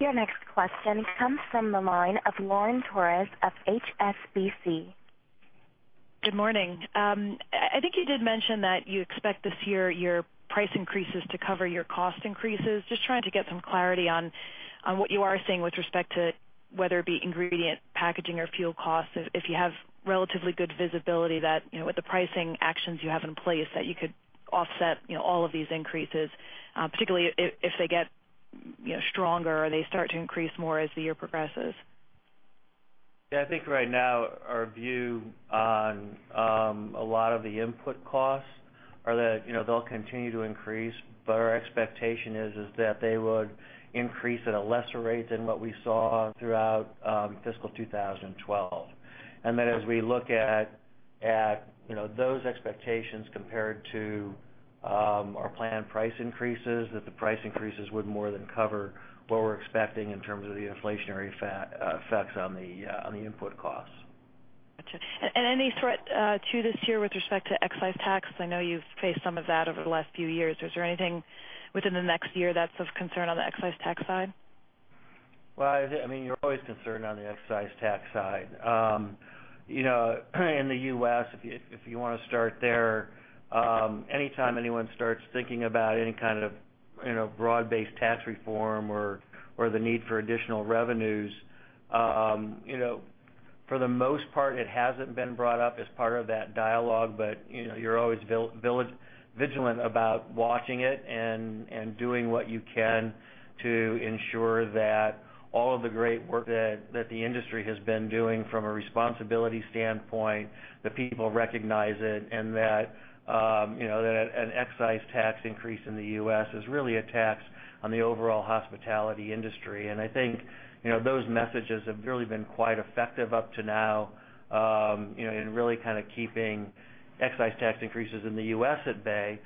Your next question comes from the line of Lauren Torres of HSBC. Good morning. I think you did mention that you expect this year your price increases to cover your cost increases. Just trying to get some clarity on what you are seeing with respect to whether it be ingredient, packaging, or fuel costs, if you have relatively good visibility that with the pricing actions you have in place, that you could offset all of these increases, particularly if they get stronger or they start to increase more as the year progresses. Yeah, I think right now our view on a lot of the input costs are that they'll continue to increase. Our expectation is that they would increase at a lesser rate than what we saw throughout fiscal 2012. That as we look at those expectations compared to our planned price increases, that the price increases would more than cover what we're expecting in terms of the inflationary effects on the input costs. Got you. Any threat to this year with respect to excise tax? I know you've faced some of that over the last few years. Is there anything within the next year that's of concern on the excise tax side? Well, you're always concerned on the excise tax side. In the U.S., if you want to start there, anytime anyone starts thinking about any kind of broad-based tax reform or the need for additional revenues, for the most part, it hasn't been brought up as part of that dialogue, but you're always vigilant about watching it and doing what you can to ensure that all of the great work that the industry has been doing from a responsibility standpoint, that people recognize it, and that an excise tax increase in the U.S. is really a tax on the overall hospitality industry. I think those messages have really been quite effective up to now in really keeping excise tax increases in the U.S. at bay.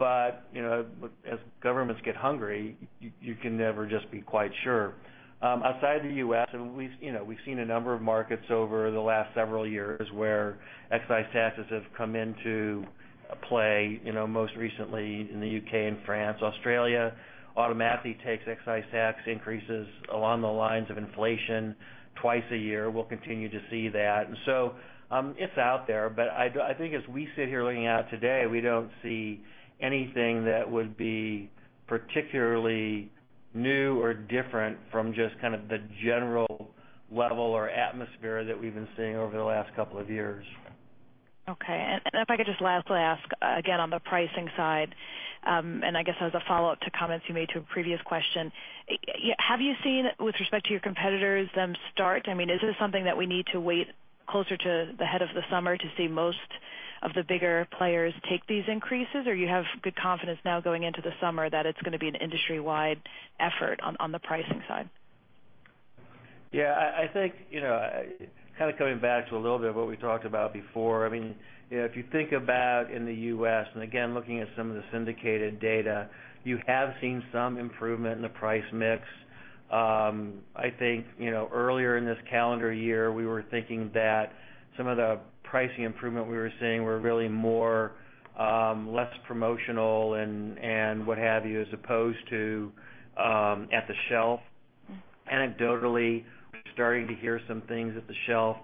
As governments get hungry, you can never just be quite sure. Outside the U.S., we've seen a number of markets over the last several years where excise taxes have come into play, most recently in the U.K. and France. Australia automatically takes excise tax increases along the lines of inflation twice a year. We'll continue to see that. It's out there, but I think as we sit here looking out today, we don't see anything that would be particularly new or different from just the general level or atmosphere that we've been seeing over the last couple of years. Okay. If I could just lastly ask, again, on the pricing side, I guess as a follow-up to comments you made to a previous question, have you seen, with respect to your competitors, them start? Is this something that we need to wait closer to the head of the summer to see most of the bigger players take these increases? You have good confidence now going into the summer that it's going to be an industry-wide effort on the pricing side? Yeah, I think, coming back to a little bit of what we talked about before. If you think about in the U.S., again, looking at some of the syndicated data, you have seen some improvement in the price mix, I think, earlier in this calendar year, we were thinking that some of the pricing improvement we were seeing were really less promotional and what have you, as opposed to at the shelf. Anecdotally, we're starting to hear some things at the shelf,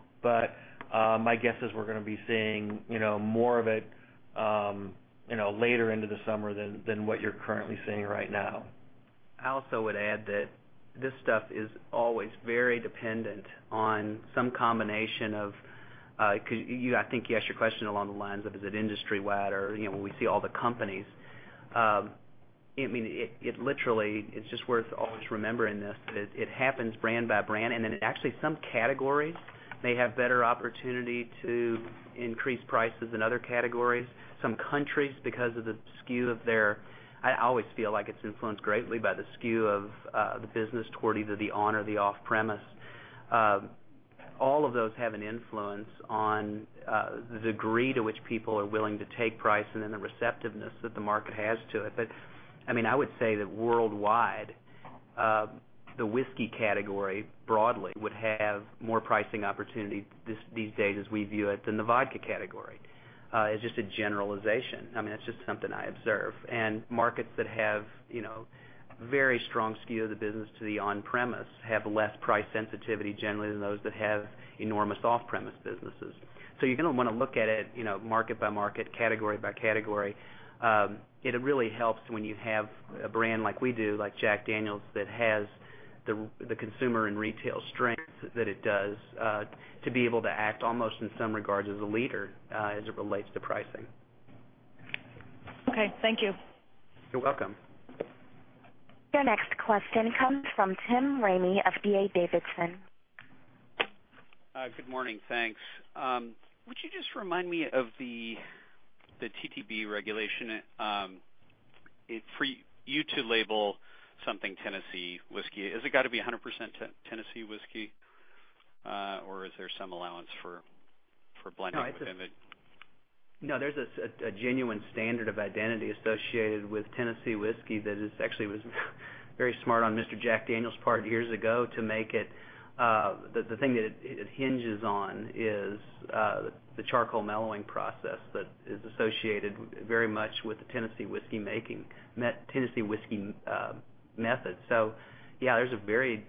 my guess is we're going to be seeing more of it later into the summer than what you're currently seeing right now. I also would add that this stuff is always very dependent on some combination of. I think you asked your question along the lines of, is it industry-wide or, when we see all the companies. It literally, it's just worth always remembering this, that it happens brand by brand, and then actually some categories may have better opportunity to increase prices than other categories. Some countries, because of the skew of their. I always feel like it's influenced greatly by the skew of the business toward either the on or the off-premise. All of those have an influence on the degree to which people are willing to take price and then the receptiveness that the market has to it. I would say that worldwide, the whiskey category, broadly, would have more pricing opportunity these days as we view it, than the vodka category. As just a generalization. That's just something I observe. Markets that have very strong skew of the business to the on-premise have less price sensitivity, generally, than those that have enormous off-premise businesses. You're going to want to look at it market by market, category by category. It really helps when you have a brand like we do, like Jack Daniel's, that has the consumer and retail strength that it does, to be able to act almost in some regards as a leader, as it relates to pricing. Okay. Thank you. You're welcome. Your next question comes from Tim Ramey of D.A. Davidson. Good morning. Thanks. Would you just remind me of the TTB regulation? For you to label something Tennessee whiskey, has it got to be 100% Tennessee whiskey, or is there some allowance for blending within it? No, there's a genuine standard of identity associated with Tennessee whiskey that is very smart on Mr. Jack Daniel's part years ago to make it. The thing that it hinges on is the charcoal mellowing process that is associated very much with the Tennessee whiskey making, that Tennessee whiskey method. Yeah, there's a very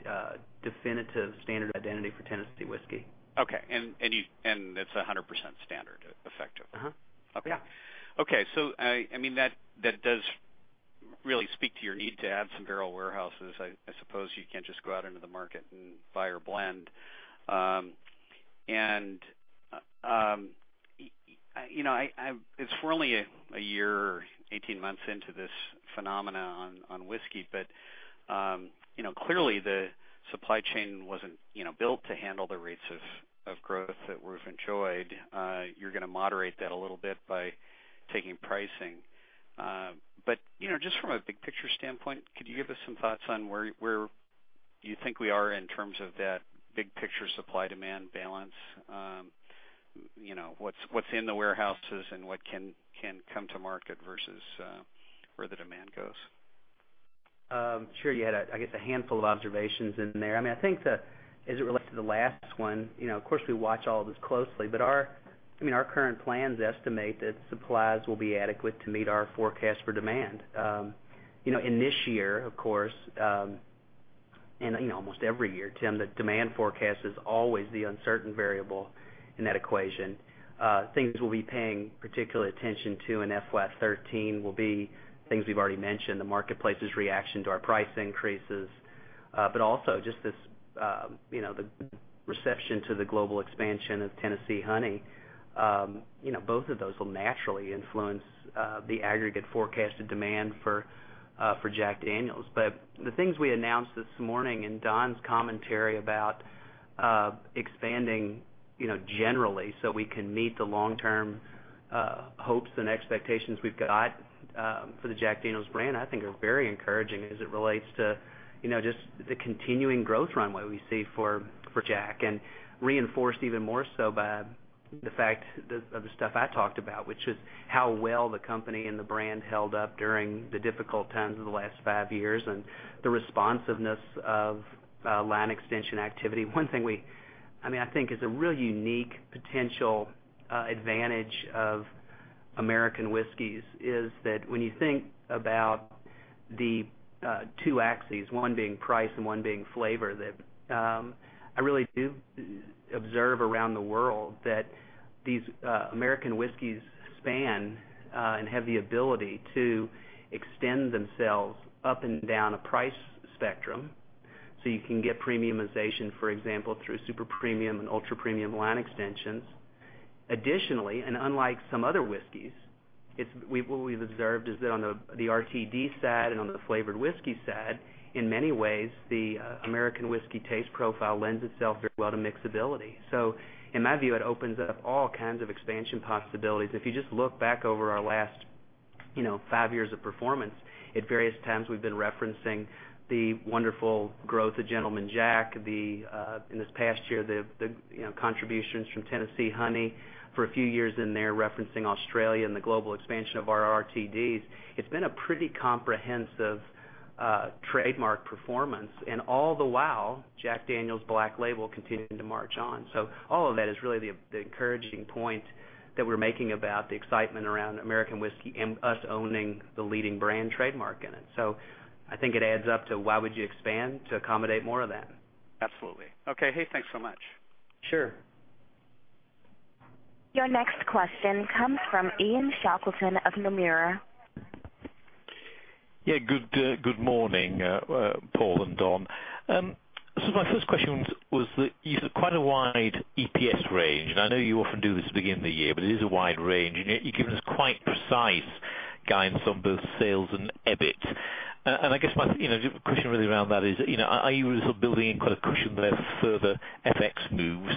definitive standard of identity for Tennessee whiskey. Okay. It's 100% standard, effectively? Yeah. That does really speak to your need to add some barrel warehouses. I suppose you can't just go out into the market and buy or blend. It's really a year or 18 months into this phenomena on whiskey, but clearly the supply chain wasn't built to handle the rates of growth that we've enjoyed. You're going to moderate that a little bit by taking pricing. Just from a big picture standpoint, could you give us some thoughts on where you think we are in terms of that big picture supply-demand balance? What's in the warehouses and what can come to market versus where the demand goes? Sure, yeah. I guess a handful of observations in there. I think that as it relates to the last one, of course, we watch all this closely, but our current plans estimate that supplies will be adequate to meet our forecast for demand. In this year, of course, and in almost every year, Tim, the demand forecast is always the uncertain variable in that equation. Things we'll be paying particular attention to in FY 2013 will be things we've already mentioned, the marketplace's reaction to our price increases. Also, just the reception to the global expansion of Tennessee Honey. Both of those will naturally influence the aggregate forecasted demand for Jack Daniel's. The things we announced this morning in Don's commentary about expanding, generally, so we can meet the long-term hopes and expectations we've got for the Jack Daniel's brand, I think, are very encouraging as it relates to just the continuing growth runway we see for Jack. Reinforced even more so by the fact of the stuff I talked about, which is how well the company and the brand held up during the difficult times of the last five years, and the responsiveness of line extension activity. One thing, I think, is a real unique potential advantage of American whiskeys is that when you think about the two axes, one being price and one being flavor, that I really do observe around the world that these American whiskeys span and have the ability to extend themselves up and down a price spectrum. You can get premiumization, for example, through super premium and ultra premium line extensions. Additionally, and unlike some other whiskeys, what we've observed is that on the RTD side and on the flavored whiskey side, in many ways, the American whiskey taste profile lends itself very well to mixability. In my view, it opens up all kinds of expansion possibilities. If you just look back over our last five years of performance, at various times, we've been referencing the wonderful growth of Gentleman Jack, in this past year, the contributions from Tennessee Honey. For a few years in there, referencing Australia and the global expansion of our RTDs. It's been a pretty comprehensive trademark performance and all the while, Jack Daniel's Black Label continued to march on. All of that is really the encouraging point that we're making about the excitement around American whiskey and us owning the leading brand trademark in it. I think it adds up to why would you expand to accommodate more of that? Absolutely. Okay. Hey, thanks so much. Sure. Your next question comes from Ian Shackleton of Nomura. Yeah. Good morning, Paul and Don. My first question was that you have quite a wide EPS range, and I know you often do this at the beginning of the year, but it is a wide range, and yet you've given us quite precise guidance on both sales and EBIT. I guess, my question really around that is, are you sort of building in quite a cushion there further FX moves?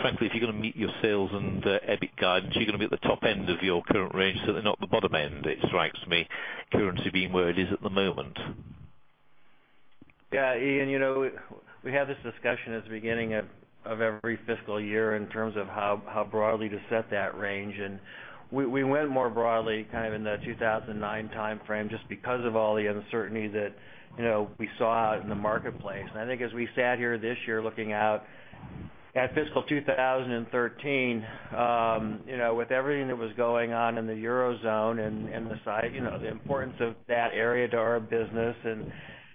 Frankly, if you're going to meet your sales and EBIT guidance, you're going to be at the top end of your current range, certainly not the bottom end, it strikes me, currency being where it is at the moment. Yeah, Ian, we have this discussion at the beginning of every fiscal year in terms of how broadly to set that range. We went more broadly kind of in the 2009 timeframe, just because of all the uncertainty that we saw out in the marketplace. I think as we sat here this year, looking out at fiscal 2013, with everything that was going on in the Eurozone and the size, the importance of that area to our business, and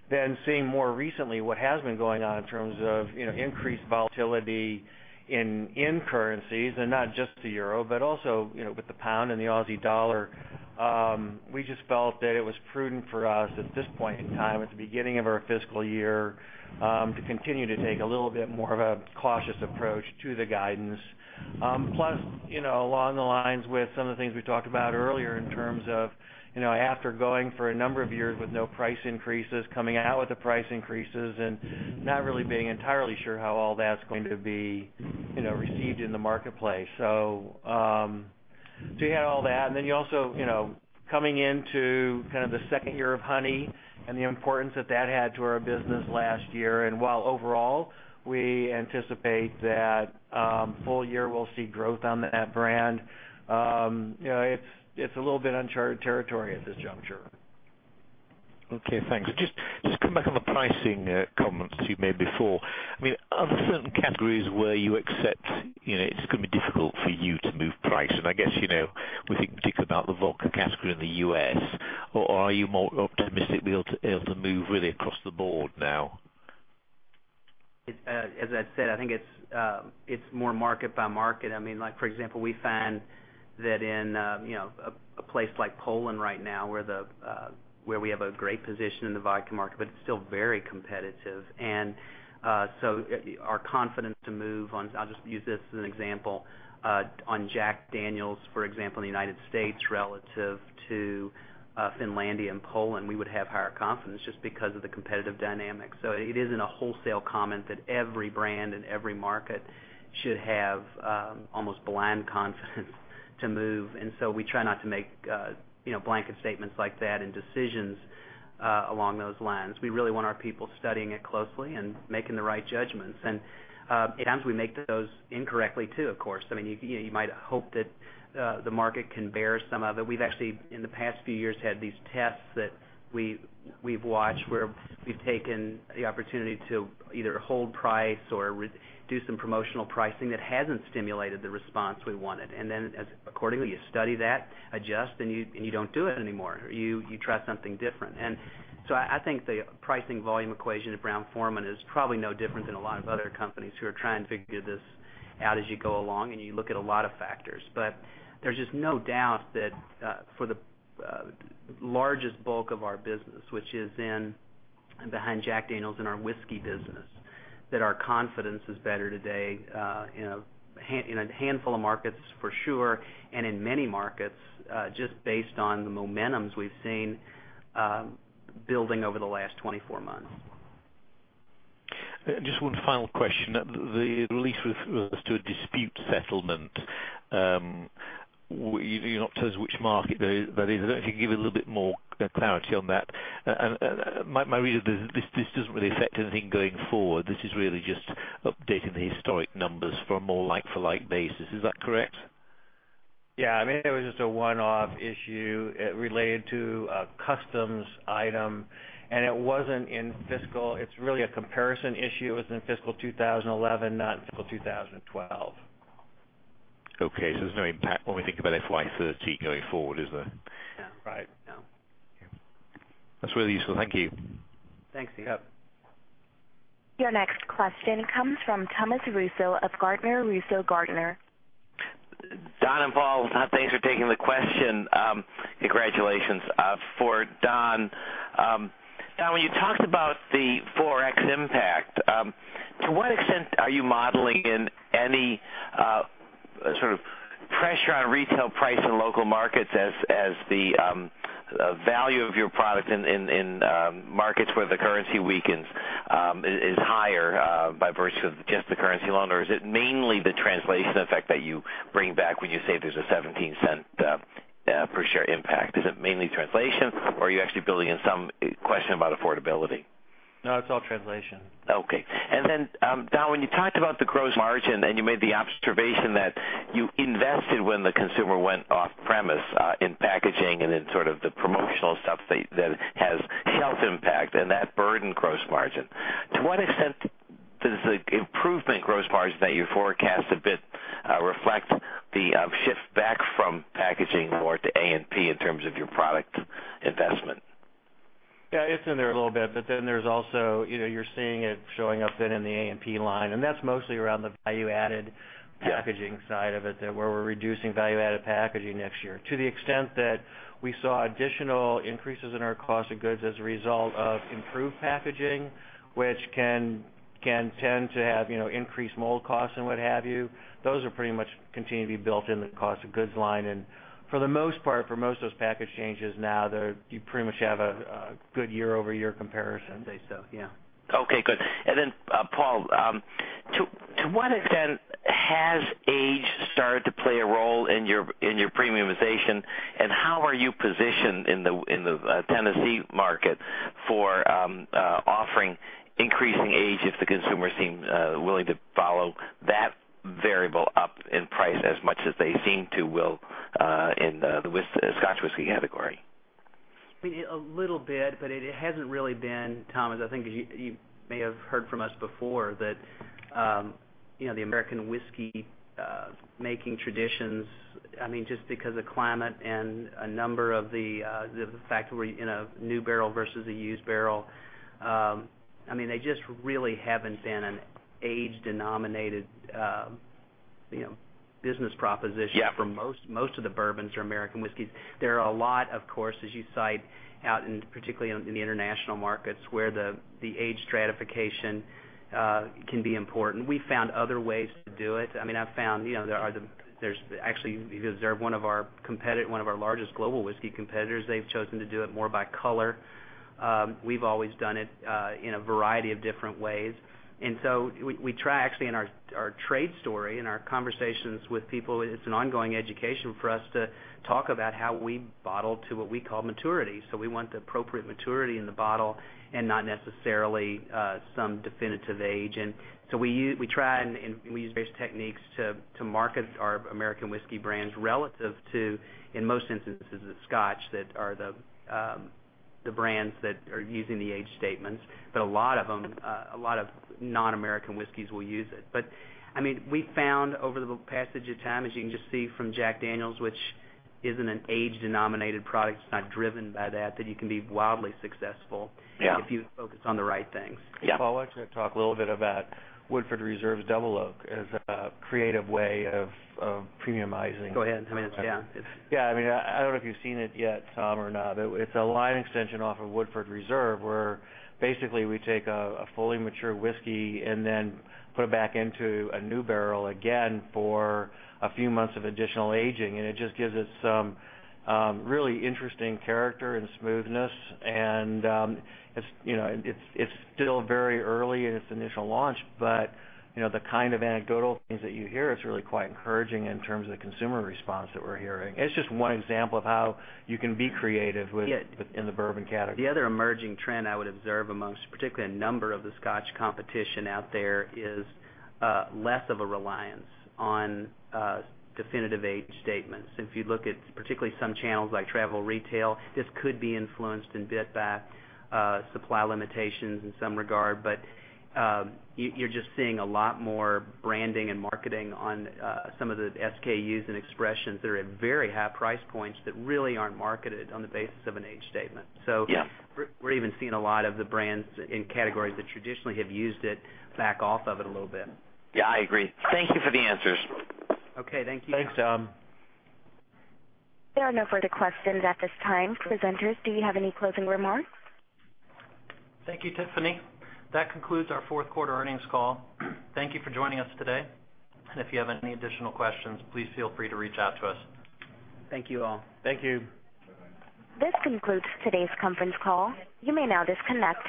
then seeing more recently what has been going on in terms of increased volatility in currencies and not just the euro, but also with the pound and the Aussie dollar. We just felt that it was prudent for us at this point in time, at the beginning of our fiscal year, to continue to take a little bit more of a cautious approach to the guidance. Plus, along the lines with some of the things we talked about earlier in terms of, after going for a number of years with no price increases, coming out with the price increases, and not really being entirely sure how all that's going to be received in the marketplace. You had all that, and then you also, coming into kind of the second year of Honey and the importance that that had to our business last year, and while overall we anticipate that full year will see growth on that brand. It's a little bit uncharted territory at this juncture. Okay, thanks. Just come back on the pricing comments that you made before. I mean, are there certain categories where you accept it's going to be difficult for you to move price? I guess, we think particularly about the vodka category in the U.S., or are you more optimistic be able to move really across the board now? As I said, I think it's more market by market. I mean, like for example, we find that in a place like Poland right now where we have a great position in the vodka market, but it's still very competitive, our confidence to move on, I'll just use this as an example, on Jack Daniel's, for example, in the United States relative to Finlandia and Poland, we would have higher confidence just because of the competitive dynamics. It isn't a wholesale comment that every brand in every market should have almost blind confidence to move. We try not to make blanket statements like that and decisions along those lines. We really want our people studying it closely and making the right judgments. At times, we make those incorrectly too, of course. I mean, you might hope that the market can bear some of it. We've actually, in the past few years, had these tests that we've watched where we've taken the opportunity to either hold price or do some promotional pricing that hasn't stimulated the response we wanted. As accordingly, you study that, adjust, and you don't do it anymore. You try something different. I think the pricing volume equation at Brown-Forman is probably no different than a lot of other companies who are trying to figure this out as you go along, and you look at a lot of factors. There's just no doubt that for the largest bulk of our business, which is in behind Jack Daniel's in our whiskey business, that our confidence is better today, in a handful of markets for sure, and in many markets, just based on the momentums we've seen building over the last 24 months. Just one final question. The release refers to a dispute settlement. You're not telling us which market that is. I don't know if you can give a little bit more clarity on that. My read of this doesn't really affect anything going forward. This is really just updating the historic numbers for a more like for like basis. Is that correct? Yeah. I mean, it was just a one-off issue. It related to a customs item. It's really a comparison issue. It was in fiscal 2011, not in fiscal 2012. Okay. There's no impact when we think about FY 2013 going forward, is there? No. Right. No. That's really useful. Thank you. Thanks, Ian. Yep. Your next question comes from Thomas Russo of Gardner Russo & Gardner. Don and Paul, thanks for taking the question. Congratulations, for Don. Don, when you talked about the ForEx impact, to what extent are you modeling in any sort of pressure on retail price in local markets as the value of your product in markets where the currency weakens, is higher, by virtue of just the currency alone, or is it mainly the translation effect that you bring back when you say there's a $0.17 per share impact? Is it mainly translation or are you actually building in some question about affordability? No, it's all translation. Okay. Don, when you talked about the gross margin and you made the observation that you invested when the consumer went off-premise, in packaging and in sort of the promotional stuff that has shelf impact and that burdened gross margin. To what extent does the improvement in gross margin that you forecast a bit reflect the shift back from packaging more to A&P in terms of your product investment? Yeah, it's in there a little bit, but then there's also, you're seeing it showing up then in the A&P line, and that's mostly around the value-added. Yeah packaging side of it, that where we're reducing value-added packaging next year. To the extent that we saw additional increases in our cost of goods as a result of improved packaging, which can tend to have increased mold costs and what have you, those are pretty much continue to be built in the cost of goods line. For the most part, for most of those package changes now, you pretty much have a good year-over-year comparison. I'd say so, yeah. Okay, good. Then, Paul, to what extent has age started to play a role in your premiumization, and how are you positioned in the Tennessee market for offering increasing age if the consumer seems willing to follow that variable up in price as much as they seem to will in the Scotch whisky category? A little bit, but it hasn't really been, Thomas, I think you may have heard from us before that the American whiskey making traditions, just because the climate and a number of the factor in a new barrel versus a used barrel, they just really haven't been an age-denominated business proposition. Yeah for most of the bourbons or American whiskeys. There are a lot, of course, as you cite, out in, particularly in the international markets, where the age stratification can be important. We've found other ways to do it. I've found, there's actually, because they're one of our largest global whiskey competitors, they've chosen to do it more by color. We've always done it in a variety of different ways. We try, actually, in our trade story, in our conversations with people, it's an ongoing education for us to talk about how we bottle to what we call maturity. We want the appropriate maturity in the bottle and not necessarily some definitive age. We try and we use various techniques to market our American whiskey brands relative to, in most instances, the Scotch, that are the brands that are using the age statements. A lot of non-American whiskeys will use it. We've found over the passage of time, as you can just see from Jack Daniel's, which isn't an age-denominated product, it's not driven by that you can be wildly successful Yeah if you focus on the right things. Yeah. Paul, I'd like to talk a little bit about Woodford Reserve's Double Oaked as a creative way of premiumizing. Go ahead. I mean, it's, yeah. Yeah. I don't know if you've seen it yet, Tom, or not, but it's a line extension off of Woodford Reserve, where basically we take a fully mature whiskey and then put it back into a new barrel again for a few months of additional aging. It just gives it some really interesting character and smoothness and it's still very early in its initial launch, but the kind of anecdotal things that you hear, it's really quite encouraging in terms of the consumer response that we're hearing. It's just one example of how you can be creative within the bourbon category. The other emerging trend I would observe amongst, particularly a number of the Scotch competition out there, is less of a reliance on definitive age statements. If you look at particularly some channels like travel retail, this could be influenced a bit by supply limitations in some regard. You're just seeing a lot more branding and marketing on some of the SKUs and expressions that are at very high price points that really aren't marketed on the basis of an age statement. Yeah We're even seeing a lot of the brands in categories that traditionally have used it back off of it a little bit. Yeah, I agree. Thank you for the answers. Okay, thank you. Thanks, Tom. There are no further questions at this time. Presenters, do you have any closing remarks? Thank you, Tiffany. That concludes our fourth quarter earnings call. Thank you for joining us today. If you have any additional questions, please feel free to reach out to us. Thank you all. Thank you. This concludes today's conference call. You may now disconnect.